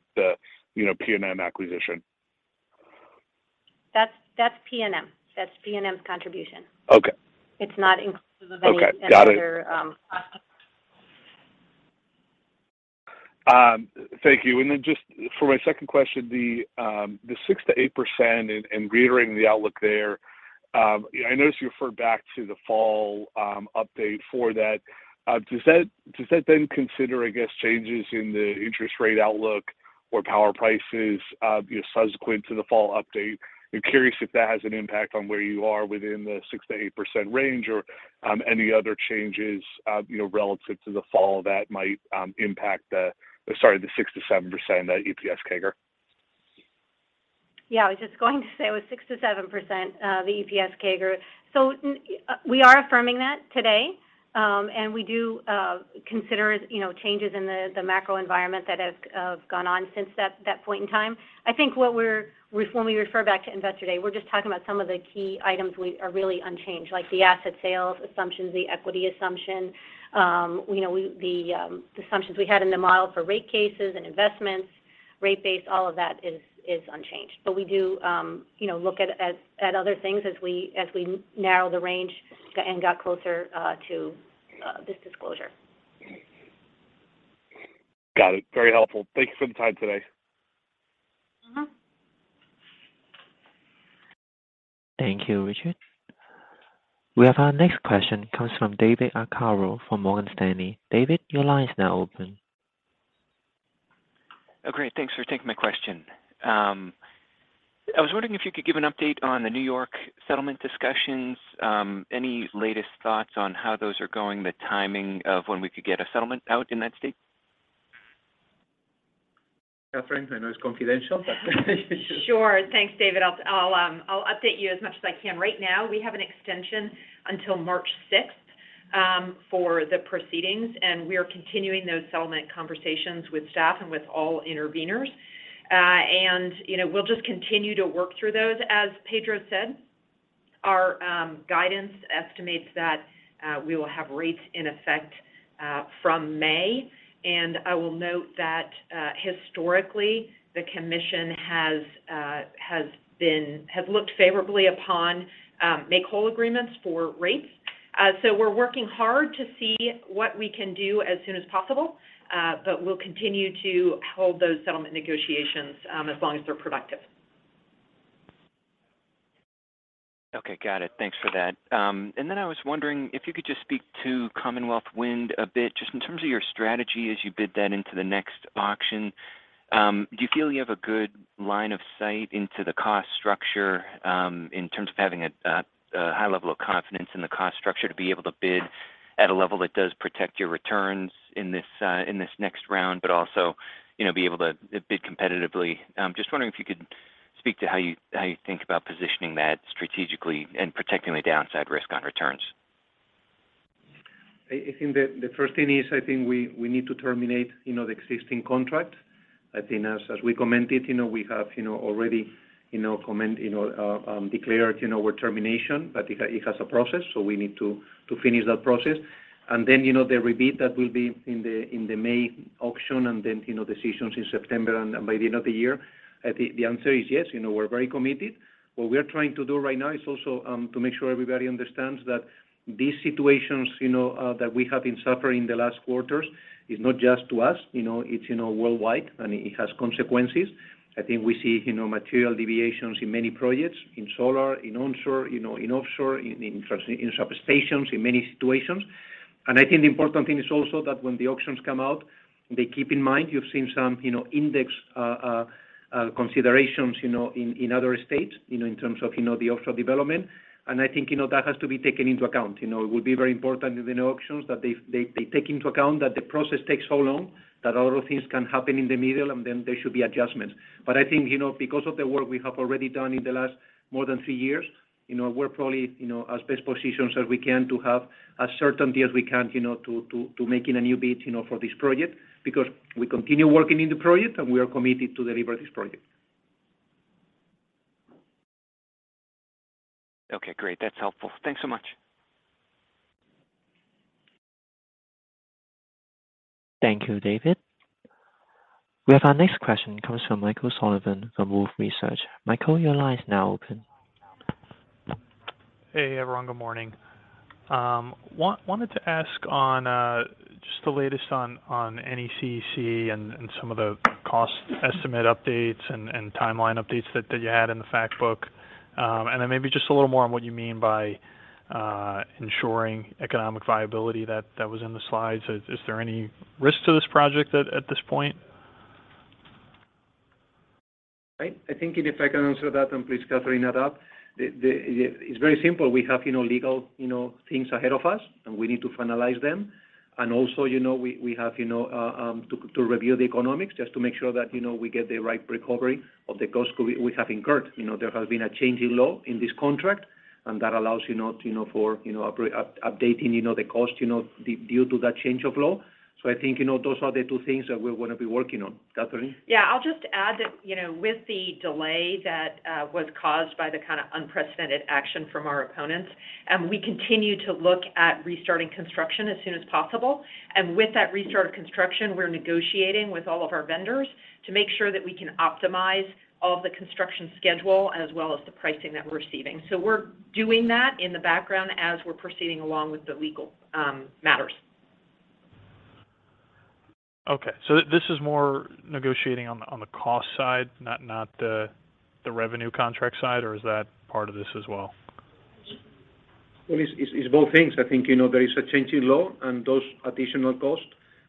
you know, PNM acquisition? That's PNM. That's PNM's contribution. Okay. It's not inclusive of any other. Okay. Got it. Thank you just for my second question, the 6%-8% and reiterating the outlook there, I noticed you referred back to the fall update for that. Does that then consider, I guess, changes in the interest rate outlook or power prices, you know, subsequent to the fall update? I'm curious if that has an impact on where you are within the 6%-8% range or any other changes, you know, relative to the fall that might impact the 6%-7% EPS CAGR. Yeah, I was just going to say it was 6%-7%, the EPS CAGR. We are affirming that today, and we do consider, you know, changes in the macro environment that have gone on since that point in time. I think when we refer back to Investor Day, we're just talking about some of the key items we are really unchanged, like the asset sales assumptions, the equity assumption, you know, we the assumptions we had in the model for Rate Cases and investments. Rate Base, all of that is unchanged. We do, you know, look at other things as we narrow the range and got closer to this disclosure. Got it. Very helpful. Thank you for the time today. Mm-hmm. Thank you, Richard. We have our next question comes from David Arcaro from Morgan Stanley. David, your line is now open. Great. Thanks for taking my question. I was wondering if you could give an update on the New York settlement discussions, any latest thoughts on how those are going, the timing of when we could get a settlement out in that state? Katherine, I know it's confidential, but Sure. Thanks, David I'll update you as much as I can. Right now, we have an extension until March 6th for the proceedings. We are continuing those settlement conversations with staff and with all interveners. You know, we'll just continue to work through those. As Pedro said, our guidance estimates that we will have rates in effect from May. I will note that historically, the commission has looked favorably upon make-whole agreements for rates. We're working hard to see what we can do as soon as possible, but we'll continue to hold those settlement negotiations as long as they're productive. Okay. Got it. Thanks for that. I was wondering if you could just speak to Commonwealth Wind a bit, just in terms of your strategy as you bid that into the next auction. Do you feel you have a good line of sight into the cost structure, in terms of having a high level of confidence in the cost structure to be able to bid at a level that does protect your returns in this next round, but also, you know, be able to bid competitively? Just wondering if you could speak to how you, how you think about positioning that strategically and protecting the downside risk on returns. I think the first thing is, I think we need to terminate, you know, the existing contract. I think as we commented, you know, we have, you know, already, you know, declared, you know, our termination, but it has a process, so we need to finish that process. Then, you know, the re-bid that will be in the May auction and then, you know, decisions in September and by the end of the year. The answer is yes. You know, we're very committed. What we are trying to do right now is also to make sure everybody understands that these situations, you know, that we have been suffering in the last quarters is not just to us. You know, it's, you know, worldwide, and it has consequences. I think we see, you know, material deviations in many projects, in solar, in onshore, you know, in offshore, in substations, in many situations. I think the important thing is also that when the auctions come out, they keep in mind, you've seen some, you know, index considerations, you know, in other states, you know, in terms of, you know, the offshore development. I think, you know, that has to be taken into account. You know, it would be very important in the new auctions that they take into account that the process takes so long that a lot of things can happen in the middle, and then there should be adjustments. I think, you know, because of the work we have already done in the last more than three years, you know, we're probably, you know, as best positioned as we can to have as certainty as we can, you know, to making a new bid, you know, for this project. We continue working in the project, and we are committed to deliver this project. Okay, great. That's helpful. Thanks so much. Thank you, David. We have our next question comes from Michael Sullivan from Wolfe Research. Michael, your line is now open. Hey, everyone. Good morning. Wanted to ask on just the latest on NECEC and some of the cost estimate updates and timeline updates that you had in the fact book. Maybe just a little more on what you mean by ensuring economic viability that was in the slides. Is there any risk to this project at this point? Right. I think if I can answer that. Please, Catherine, add up. It's very simple. We have, you know, legal, you know, things ahead of us. We need to finalize them. Also, you know, we have, you know, to review the economics just to make sure that, you know, we get the right recovery of the cost we have incurred. You know, there has been a change in law in this contract. That allows, you know, to know for, you know, updating, you know, the cost, you know, due to that change of law. I think, you know, those are the two things that we're gonna be working on. Catherine? Yeah. I'll just add that, you know, with the delay that was caused by the kind of unprecedented action from our opponents, we continue to look at restarting construction as soon as possible. With that restart of construction, we're negotiating with all of our vendors to make sure that we can optimize all of the construction schedule as well as the pricing that we're receiving. We're doing that in the background as we're proceeding along with the legal matters. Okay. This is more negotiating on the, on the cost side, not the revenue contract side, or is that part of this as well? Well, it's both things. I think, you know, there is a change in law and those additional costs,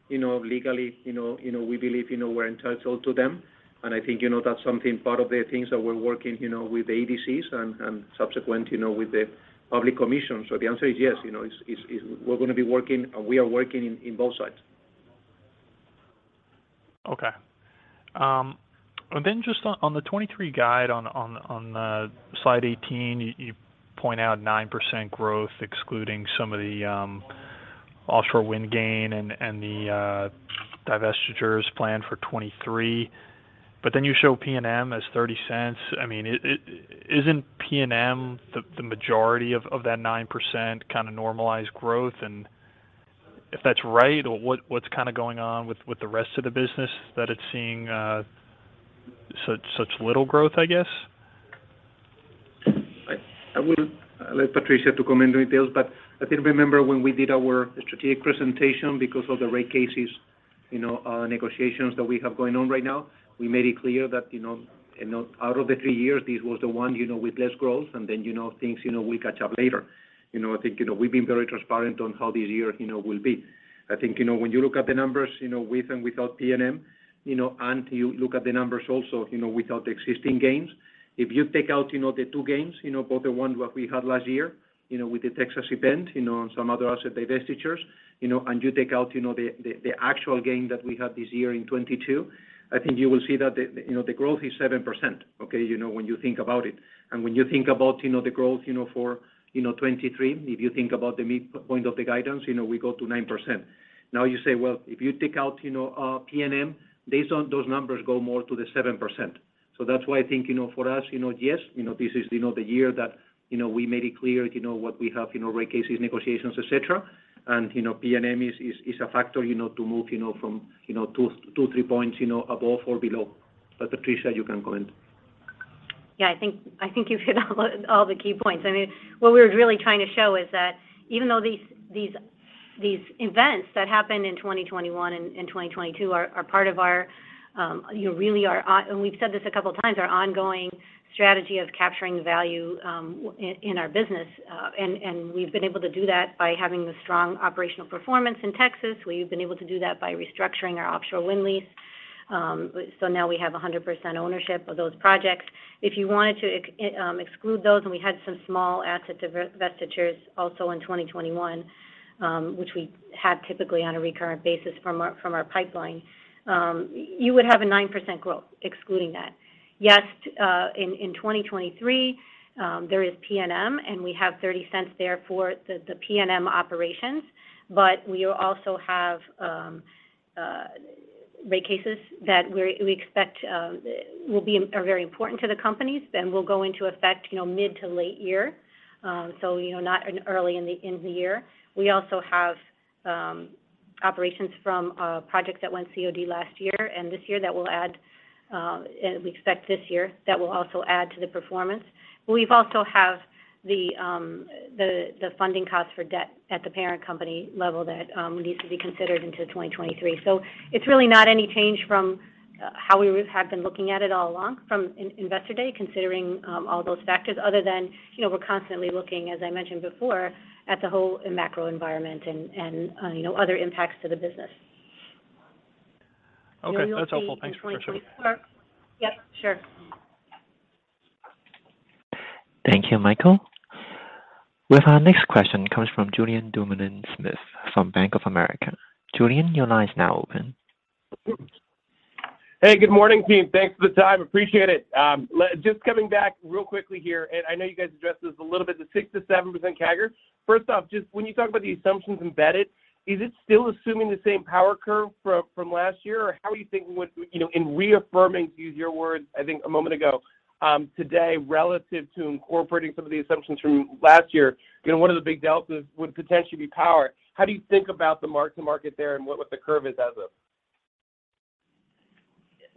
you know, legally, you know, we believe, you know, we're entitled to them. I think, you know, that's something part of the things that we're working, you know, with the EDCs and, subsequent, you know, with the public commission. The answer is yes. You know, it's we're gonna be working, and we are working in both sides. Okay. Just on the 2023 guide on slide 18, you point out 9% growth excluding some of the offshore wind gain and the divestitures planned for 2023. You show PNM as $0.30. I mean, isn't PNM the majority of that 9% kind of normalized growth? If that's right or what's kinda going on with the rest of the business that it's seeing such little growth, I guess? I will let Patricia to comment on details, but I think remember when we did our strategic presentation because of the Rate Cases, you know, negotiations that we have going on right now. We made it clear that, you know, out of the three years, this was the one, you know, with less growth and then, you know, things will catch up later. I think, you know, we've been very transparent on how this year will be. I think, you know, when you look at the numbers, with and without PNM, and you look at the numbers also, without the existing gains. If you take out, you know, the two gains, you know, both the one what we had last year, you know, with the Texas event, you know, and some other asset divestitures, you know, and you take out, you know, the actual gain that we had this year in 2022, I think you will see that, you know, the growth is 7%, okay, you know, when you think about it. When you think about, you know, the growth, you know, for, you know, 23, if you think about the mid-point of the guidance, you know, we go to 9%. You say, well, if you take out, you know, PNM, based on those numbers go more to the 7%. That's why I think, you know, for us, you know, yes, you know, this is, you know, the year that, you know, we made it clear, you know, what we have, you know, Rate Cases, negotiations, et cetera. You know, PNM is a factor, you know, to move, you know, from, you know, wto three points, you know, above or below. Patricia, you can comment. Yeah, I think, I think you hit all the key points. I mean, what we were really trying to show is that even though these events that happened in 2021 and 2022 are part of our, you know, really our ongoing strategy of capturing value in our business. We've been able to do that by having the strong operational performance in Texas. We've been able to do that by restructuring our offshore wind lease. Now we have 100% ownership of those projects. If you wanted to exclude those, and we had some small asset divestitures also in 2021, which we have typically on a recurrent basis from our, from our pipeline, you would have a 9% growth excluding that. Yes, in 2023, there is PNM, and we have $0.30 there for the PNM operations. We also have Rate Cases that we expect are very important to the companies and will go into effect, you know, mid to late year. You know, not in early in the year. We also have operations from projects that went COD last year and this year that will add, we expect this year, that will also add to the performance. We've also have the funding costs for debt at the parent company level that needs to be considered into 2023. It's really not any change from how we have been looking at it all along from Investor Day, considering all those factors other than, you know, we're constantly looking, as I mentioned before, at the whole macro environment and, you know, other impacts to the business. Okay. That's helpful. Thanks, Patricia. Yep, sure. Thank you, Michael. Our next question comes from Julien Dumoulin-Smith from Bank of America. Julien, your line is now open. Hey, good morning, team. Thanks for the time. Appreciate it. Just coming back real quickly here, and I know you guys addressed this a little bit, the 6%-7% CAGR. First off, just when you talk about the assumptions embedded, is it still assuming the same power curve from last year? Or how do you think we would, you know, in reaffirming, to use your words, I think a moment ago, today relative to incorporating some of the assumptions from last year. You know, one of the big deltas would potentially be power. How do you think about the mark-to-market there and what the curve is as of?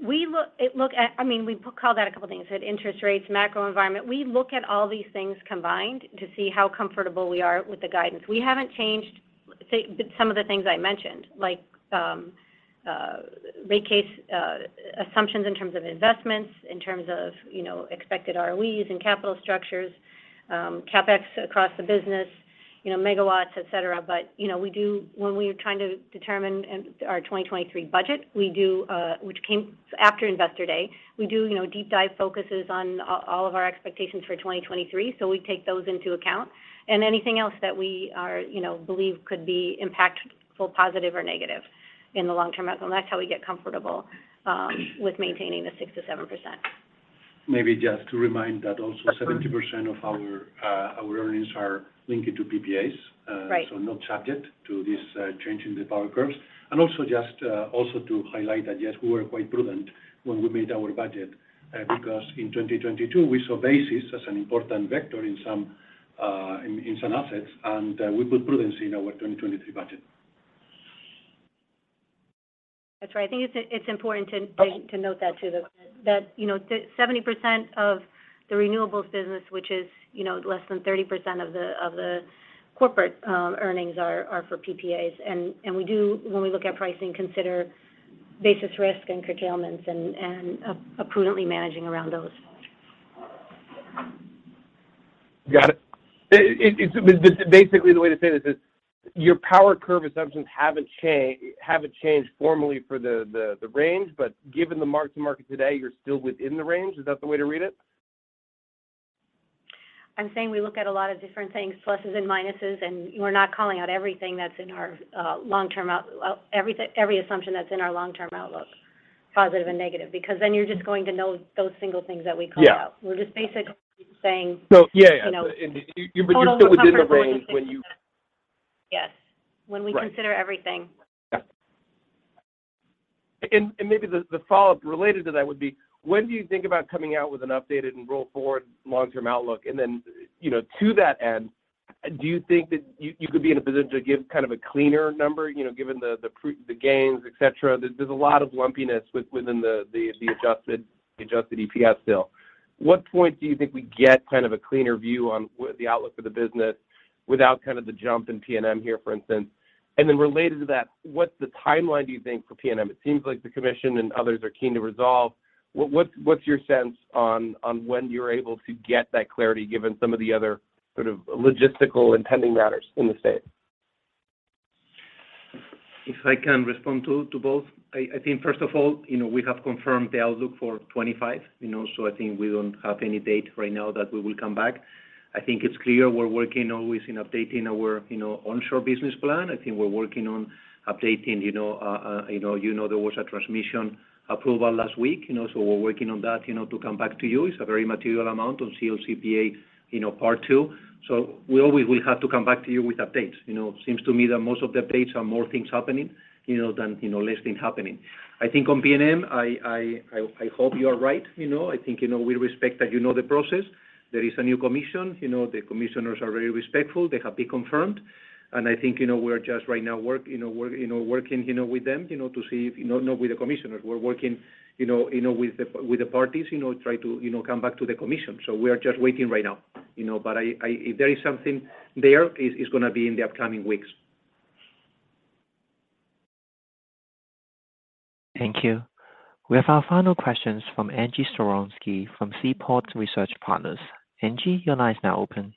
We look at, I mean, we call that a couple things. Hit interest rates, macro environment. We look at all these things combined to see how comfortable we are with the guidance. We haven't changed, say, some of the things I mentioned, like, Rate Case assumptions in terms of investments, in terms of, you know, expected ROEs and capital structures, CapEx across the business, you know, megawatts, et cetera. You know, we do when we're trying to determine our 2023 budget, we do, which came after Investor Day. We do, you know, deep dive focuses on all of our expectations for 2023, we take those into account. Anything else that we are, you know, believe could be impactful, positive or negative in the long term. That's how we get comfortable, with maintaining the 6%-7%. Maybe just to remind that also 70% of our earnings are linked to PPAs. Right. No target to this change in the power curves. Also just to highlight that, yes, we were quite prudent when we made our budget, because in 2022, we saw basis as an important vector in some, in some assets, and, we put prudence in our 2023 budget. That's right. I think it's important. Okay... to note that too, that, you know, 70% of the renewables business, which is, you know, less than 30% of the corporate earnings are for PPAs. We do, when we look at pricing, consider basis risk and curtailments and prudently managing around those. Got it. Basically, the way to say this is your power curve assumptions haven't changed formally for the range, but given the mark-to-market today, you're still within the range. Is that the way to read it? I'm saying we look at a lot of different things, pluses and minuses, and we're not calling out every assumption that's in our long-term outlook, positive and negative. Then you're just going to know those single things that we called out. Yeah. We're just basically Yeah. you know. You're still within the range when you. Yes. When we consider everything. Right. Yeah. Maybe the follow-up related to that would be when do you think about coming out with an updated and roll forward long-term outlook? Then, you know, to that end, do you think that you could be in a position to give kind of a cleaner number, you know, given the gains, et cetera? There's a lot of lumpiness within the adjusted EPS still. What point do you think we get kind of a cleaner view on what the outlook for the business without kind of the jump in PNM here, for instance? Then related to that, what's the timeline do you think for PNM? It seems like the commission and others are keen to resolve. What's your sense on when you're able to get that clarity given some of the other sort of logistical and pending matters in the state? If I can respond to both. I think first of all, you know, we have confirmed the outlook for 25, you know. I think we don't have any date right now that we will come back. I think it's clear we're working always in updating our, you know, onshore business plan. I think we're working on updating, you know, you know there was a transmission approval last week, you know. We're working on that, you know, to come back to you. It's a very material amount on CLCPA, you know, part two. We always will have to come back to you with updates. You know, it seems to me that most of the updates are more things happening, you know, than, you know, less things happening. I think on PNM, I hope you are right, you know. I think, you know, we respect that you know the process. There is a new commission, you know, the commissioners are very respectful. They have been confirmed. I think, you know, we are just right now working, you know, with them, you know, not with the commissioners. We're working, you know, with the parties, you know, try to, you know, come back to the commission. We are just waiting right now, you know. If there is something there, is gonna be in the upcoming weeks. Thank you. We have our final questions from Angie Storozynski from Seaport Research Partners. Angie, your line is now open.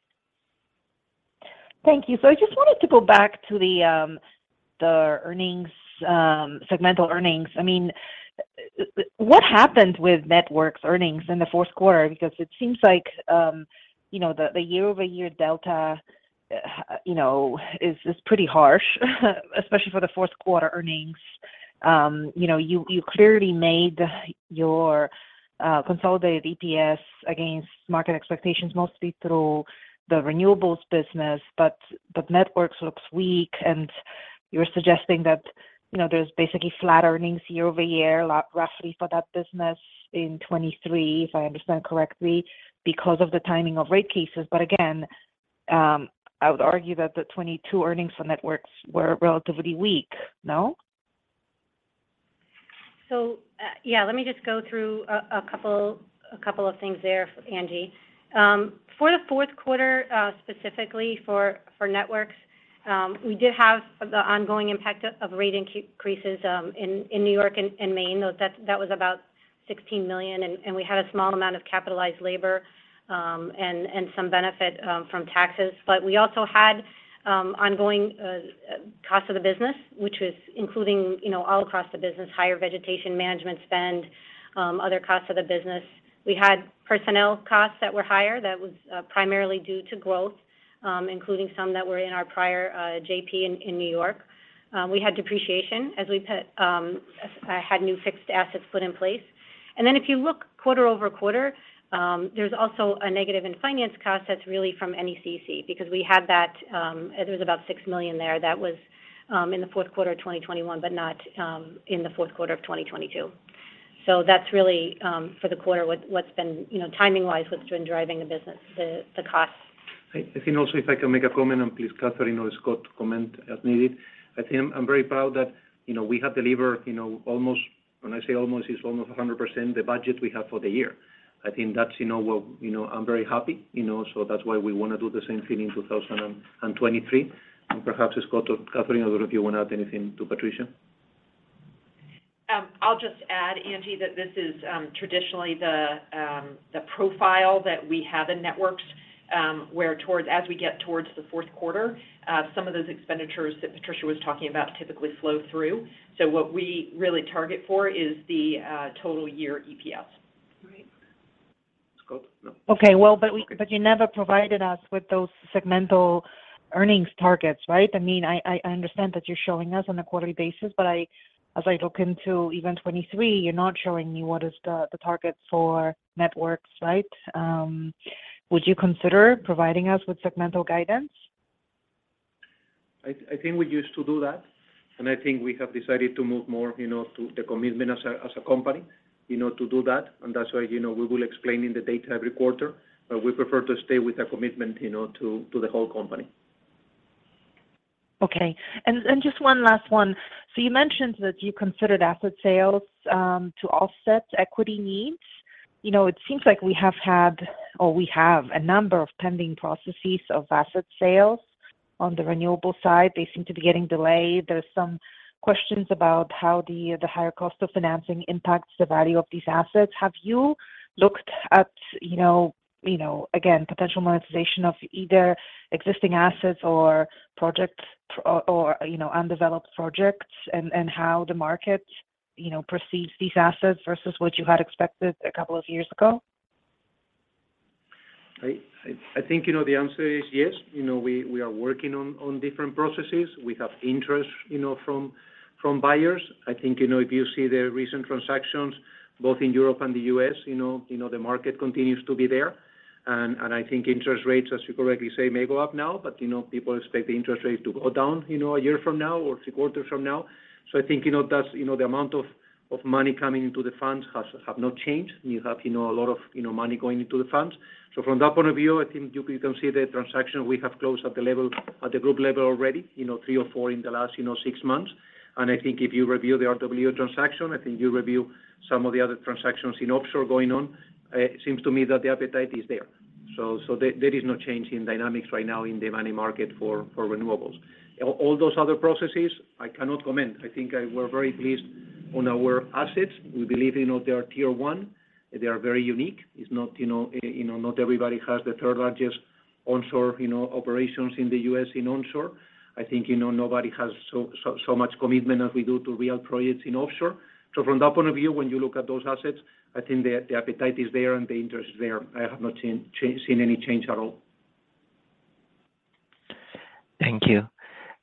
Thank you. I just wanted to go back to the earnings, segmental earnings. I mean, what happened with networks earnings in the 4th quarter? Because it seems like, you know, the year-over-year delta, you know, is pretty harsh, especially for the 4th quarter earnings. You know, you clearly made your consolidated EPS against market expectations mostly through the renewables business, but networks looks weak, and you're suggesting that, you know, there's basically flat earnings year-over-year roughly for that business in 2023, if I understand correctly, because of the timing of Rate Cases. Again, I would argue that the 2022 earnings for networks were relatively weak, no? Let me just go through a couple of things there, Angie. For the fourth quarter, specifically for networks, we did have the ongoing impact of rate increases in New York and Maine. That was about $16 million, and we had a small amount of capitalized labor and some benefit from taxes. We also had ongoing costs of the business, which was including, you know, all across the business, higher vegetation management spend, other costs of the business. We had personnel costs that were higher. That was primarily due to growth, including some that were in our prior JP in New York. We had depreciation as we put new fixed assets put in place. If you look quarter-over-quarter, there's also a negative in finance cost that's really from NECEC. We had that, there was about $6 million there. That was in the fourth quarter of 2021, but not in the fourth quarter of 2022. That's really, for the quarter, what's been, you know, timing-wise, what's been driving the business, the costs. I think also if I can make a comment. Please Catherine or Scott comment as needed. I think I'm very proud that, you know, we have delivered, you know, almost. When I say almost, it's almost 100% the budget we have for the year. I think that's, you know, what, you know, I'm very happy, you know. That's why we wanna do the same thing in 2023. Perhaps Scott or Catherine or whoever, if you want to add anything to Patricia. I'll just add, Angie, that this is traditionally the profile that we have in networks, where as we get towards the 4th quarter, some of those expenditures that Patricia was talking about typically flow through. What we really target for is the total year EPS. Right. Scott? No. Okay. Well, you never provided us with those segmental earnings targets, right? I mean, I understand that you're showing us on a quarterly basis, but as I look into even 23, you're not showing me what is the target for networks, right? Would you consider providing us with segmental guidance? I think we used to do that, and I think we have decided to move more, you know, to the commitment as a company, you know, to do that. That's why, you know, we will explain in the data every quarter. We prefer to stay with a commitment, you know, to the whole company. Okay. Just one last one. You mentioned that you considered asset sales to offset equity needs. You know, it seems like we have had or we have a number of pending processes of asset sales on the renewable side. They seem to be getting delayed. There's some questions about how the higher cost of financing impacts the value of these assets. Have you looked at, you know, again, potential monetization of either existing assets or projects or, you know, undeveloped projects and how the market, you know, perceives these assets versus what you had expected a couple of years ago? I think, you know, the answer is yes. You know, we are working on different processes. We have interest, you know, from buyers. I think, you know, if you see the recent transactions both in Europe and the U.S., you know, the market continues to be there. I think interest rates, as you correctly say, may go up now, but, you know, people expect the interest rates to go down, you know, a year from now or three quarters from now. I think, you know, that's, you know, the amount of money coming into the funds has, have not changed. You have, you know, a lot of, you know, money going into the funds. From that point of view, I think you can see the transaction we have closed at the level, at the group level already, you know, three or four in the last, you know, six months. I think if you review the RWE transaction, I think you review some of the other transactions in offshore going on, it seems to me that the appetite is there. There is no change in dynamics right now in the money market for Renewables. All those other processes, I cannot comment. We're very pleased on our assets. We believe, you know, they are Tier 1. They are very unique. It's not, you know, not everybody has the 3rd largest onshore, you know, operations in the U.S. in onshore. I think, you know, nobody has so much commitment as we do to real projects in offshore. From that point of view, when you look at those assets, I think the appetite is there and the interest is there. I have not seen any change at all. Thank you.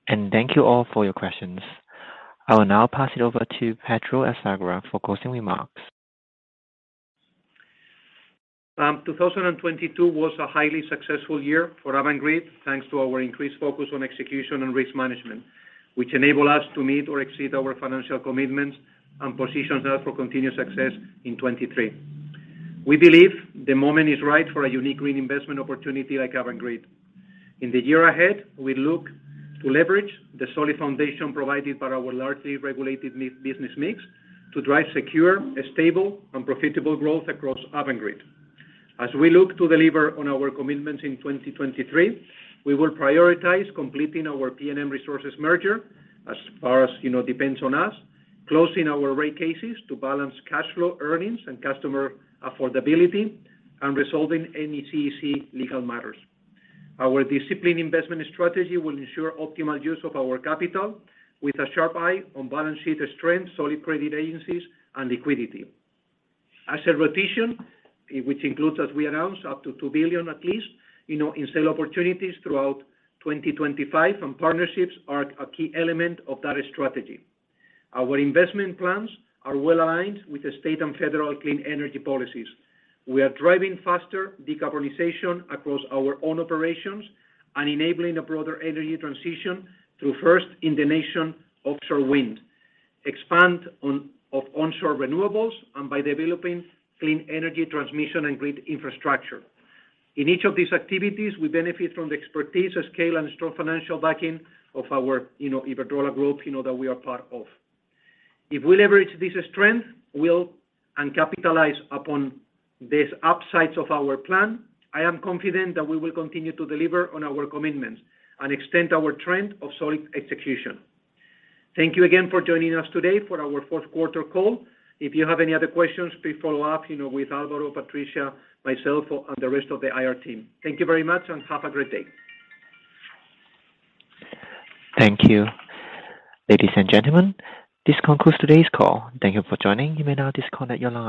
Thank you all for your questions. I will now pass it over to Pedro Azagra for closing remarks. 2022 was a highly successful year for Avangrid, thanks to our increased focus on execution and risk management, which enable us to meet or exceed our financial commitments and positions us for continued success in 2023. We believe the moment is right for a unique green investment opportunity like Avangrid. In the year ahead, we look to leverage the solid foundation provided by our largely regulated business mix to drive secure, stable, and profitable growth across Avangrid. As we look to deliver on our commitments in 2023, we will prioritize completing our PNM Resources Merger, as far as, you know, depends on us, closing our Rate Cases to balance cash flow earnings and customer affordability, and resolving any CEC legal matters. Our disciplined investment strategy will ensure optimal use of our capital with a sharp eye on balance sheet strength, solid credit agencies, and liquidity. Asset Rotation, which includes, as we announced, up to $2 billion at least, you know, in sale opportunities throughout 2025, and partnerships are a key element of that strategy. Our investment plans are well-aligned with the state and federal clean energy policies. We are driving faster decarbonization across our own operations and enabling a broader energy transition through first-in-the-nation offshore wind, expand on, of onshore renewables, and by developing clean energy transmission and grid infrastructure. In each of these activities, we benefit from the expertise, scale, and strong financial backing of our, you know, Iberdrola group, you know, that we are part of. If we leverage this strength, we'll... Capitalize upon these upsides of our plan, I am confident that we will continue to deliver on our commitments and extend our trend of solid execution. Thank you again for joining us today for our fourth quarter call. If you have any other questions, please follow up, you know, with Alvaro, Patricia, myself, or, and the rest of the IR team. Thank you very much and have a great day. Thank you. Ladies and gentlemen, this concludes today's call. Thank you for joining. You may now disconnect your line.